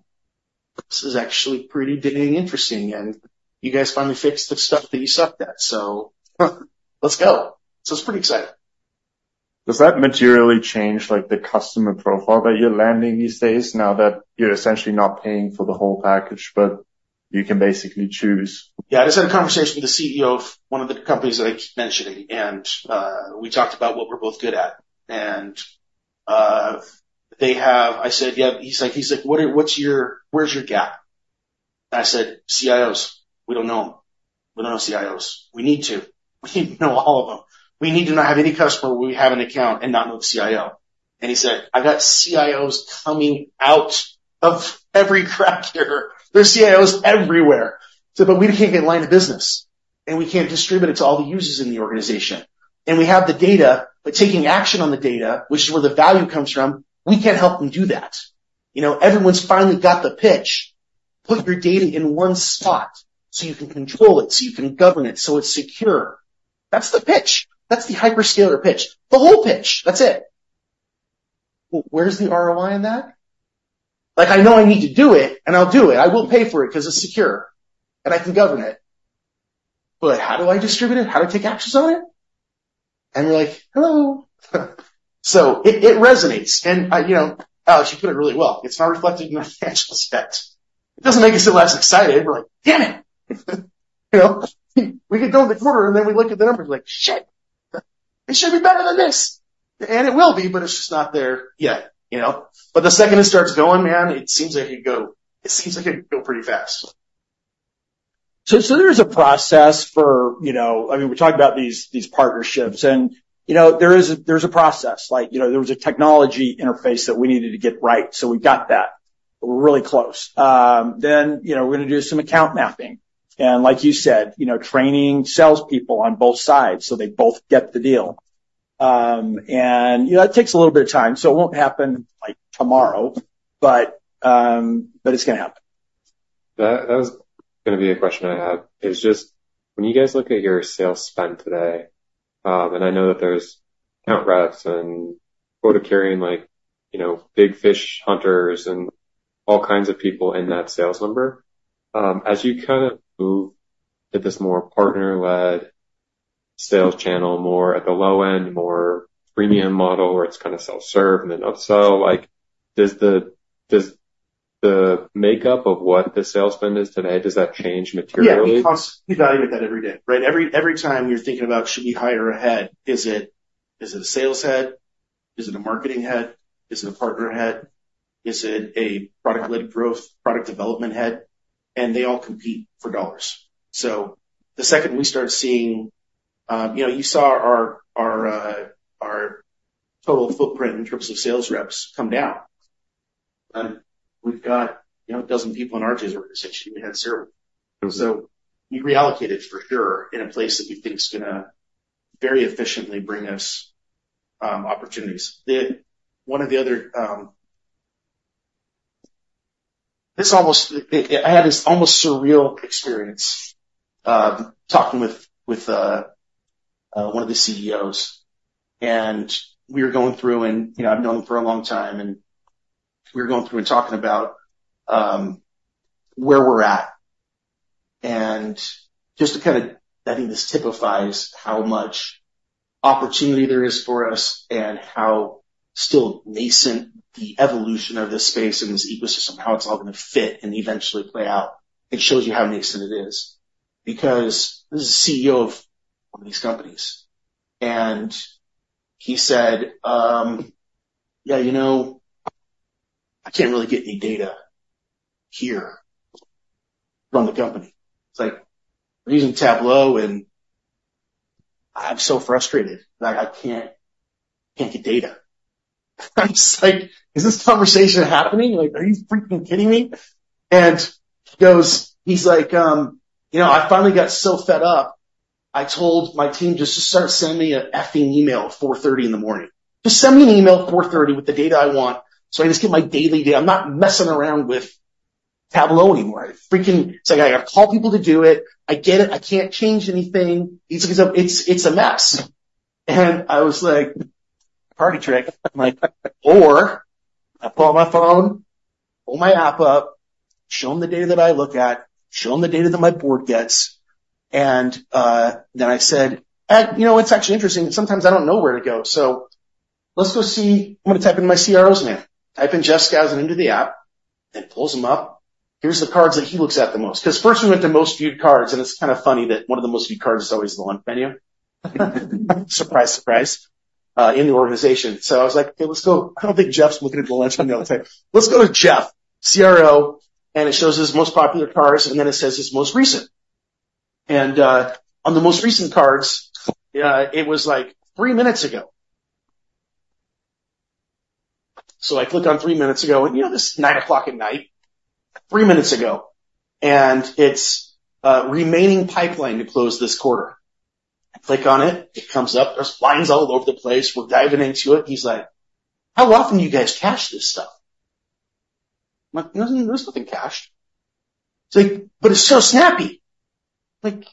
Speaker 2: this is actually pretty dang interesting. And you guys finally fixed the stuff that you sucked at. So let's go." So it's pretty exciting.
Speaker 4: Does that materially change, like, the customer profile that you're landing these days now that you're essentially not paying for the whole package but you can basically choose?
Speaker 3: Yeah. I just had a conversation with the CEO of one of the companies that I keep mentioning. And we talked about what we're both good at. And they have. I said, "Yeah." He's like, he's like, "What are what's your where's your gap?" And I said, "CIOs. We don't know them. We don't know CIOs. We need to. We need to know all of them. We need to not have any customer where we have an account and not know the CIO." And he said, "I got CIOs coming out of every crack here. There's CIOs everywhere." He said, "But we can't get line of business. And we can't distribute it to all the users in the organization. And we have the data. But taking action on the data, which is where the value comes from, we can't help them do that." You know, everyone's finally got the pitch, "Put your data in one spot so you can control it, so you can govern it, so it's secure." That's the pitch. That's the Hyperscaler pitch, the whole pitch. That's it. Well, where's the ROI in that? Like, I know I need to do it. And I'll do it. I will pay for it 'cause it's secure. And I can govern it. But how do I distribute it? How do I take actions on it? And we're like, "Hello." So it, it resonates. And I, you know oh, she put it really well. It's not reflected in the financials yet. It doesn't make us get less excited. We're like, "Damn it." You know, we get Domo to quarter. And then we look at the numbers. We're like, "Shit. It should be better than this." And it will be. But it's just not there yet, you know? But the second it starts going, man, it seems like it could go pretty fast.
Speaker 2: So, there is a process for, you know, I mean, we talked about these partnerships. And, you know, there is a process. Like, you know, there was a technology interface that we needed to get right. So we got that. We're really close. Then, you know, we're gonna do some account mapping. And like you said, you know, training salespeople on both sides so they both get the deal. And, you know, that takes a little bit of time. So it won't happen, like, tomorrow. But it's gonna happen.
Speaker 4: That was gonna be a question I had is just when you guys look at your sales spend today, and I know that there's account reps and go-to-market, like, you know, big fish hunters and all kinds of people in that sales number, as you kinda move to this more partner-led sales channel, more at the low end, more premium model where it's kinda self-serve and then upsell, like, does the makeup of what the sales spend is today, does that change materially?
Speaker 3: Yeah. We constantly evaluate that every day, right? Every time you're thinking about, "Should we hire a head? Is it a sales head? Is it a marketing head? Is it a partner head? Is it a product-led growth, product development head?" And they all compete for dollars. So the second we start seeing, you know, you saw our total footprint in terms of sales reps come down. And we've got, you know, a dozen people in RJ's organization. We had several. So we've reallocated for sure in a place that we think's gonna very efficiently bring us opportunities. One of the other, I had this almost surreal experience, talking with one of the CEOs. And we were going through and, you know, I've known them for a long time. And we were going through and talking about where we're at. And just to kinda I think this typifies how much opportunity there is for us and how still nascent the evolution of this space and this ecosystem, how it's all gonna fit and eventually play out. It shows you how nascent it is because this is the CEO of one of these companies. And he said, "Yeah. You know, I can't really get any data here from the company." It's like, "We're using Tableau. And I'm so frustrated. Like, I can't, can't get data." I'm just like, "Is this conversation happening? Like, are you freaking kidding me?" And he goes he's like, "You know, I finally got so fed up. I told my team, 'Just, just start sending me a effing email at 4:30 A.M.' Just send me an email at 4:30 P.M. with the data I want so I can just get my daily data. I'm not messing around with Tableau anymore. I freaking it's like, I gotta call people to do it. I get it. I can't change anything." He's like, "It's a mess." And I was like, "Party trick." I'm like, "Or I pull out my phone, pull my app up, show them the data that I look at, show them the data that my board gets." And then I said, "And, you know, it's actually interesting. Sometimes, I don't know where to go. So let's go see. I'm gonna type in my CRO's name, type in Jeff Skousen into the app, and pulls them up. Here's the cards that he looks at the most." 'Cause first, we went to most viewed cards. And it's kinda funny that one of the most viewed cards is always the lunch menu, surprise, surprise, in the organization. So I was like, "Okay. Let's go." I don't think Jeff's looking at the lunch menu all the time. Let's go to Jeff, CRO. And it shows his most popular cards. And then it says his most recent. And, on the most recent cards, it was, like, three minutes ago. So I click on three minutes ago. And, you know, this is 9:00 P.M., three minutes ago. And it's, remaining pipeline to close this quarter. I click on it. It comes up. There's lines all over the place. We're diving into it. He's like, "How often do you guys cache this stuff?" I'm like, "There's nothing cached." It's like, "But it's so snappy." I'm like,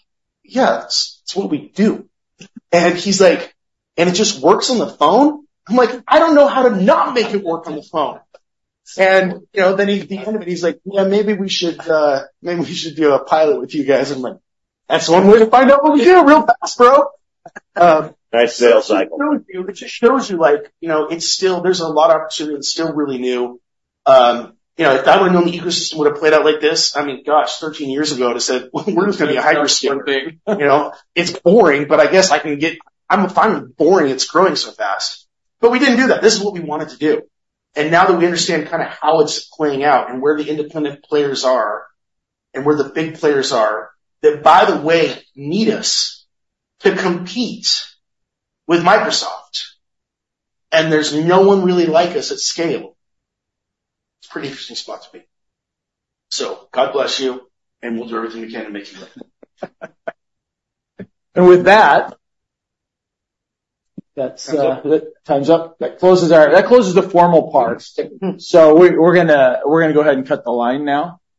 Speaker 3: "Yeah. It's, it's what we do." And he's like, "And it just works on the phone?" I'm like, "I don't know how to not make it work on the phone." And, you know, then he at the end of it, he's like, "Yeah. Maybe we should, maybe we should do a pilot with you guys." I'm like, "That's one way to find out what we do real fast, bro.
Speaker 4: Nice sales cycle.
Speaker 3: It just shows you, like, you know, it's still, there's a lot of opportunity. It's still really new. You know, if I would have known the ecosystem would have played out like this, I mean, gosh, 13 years ago, I would have said, "We're just gonna be a hyperscaler." You know, it's boring. But I guess I can get. I'm finally boring. It's growing so fast. But we didn't do that. This is what we wanted to do. And now that we understand kinda how it's playing out and where the independent players are and where the big players are that, by the way, need us to compete with Microsoft, and there's no one really like us at scale, it's a pretty interesting spot to be. So God bless you. And we'll do everything we can to make you happy.
Speaker 1: And with that, that's time's up. That closes our formal parts. So we're gonna go ahead and cut the line now.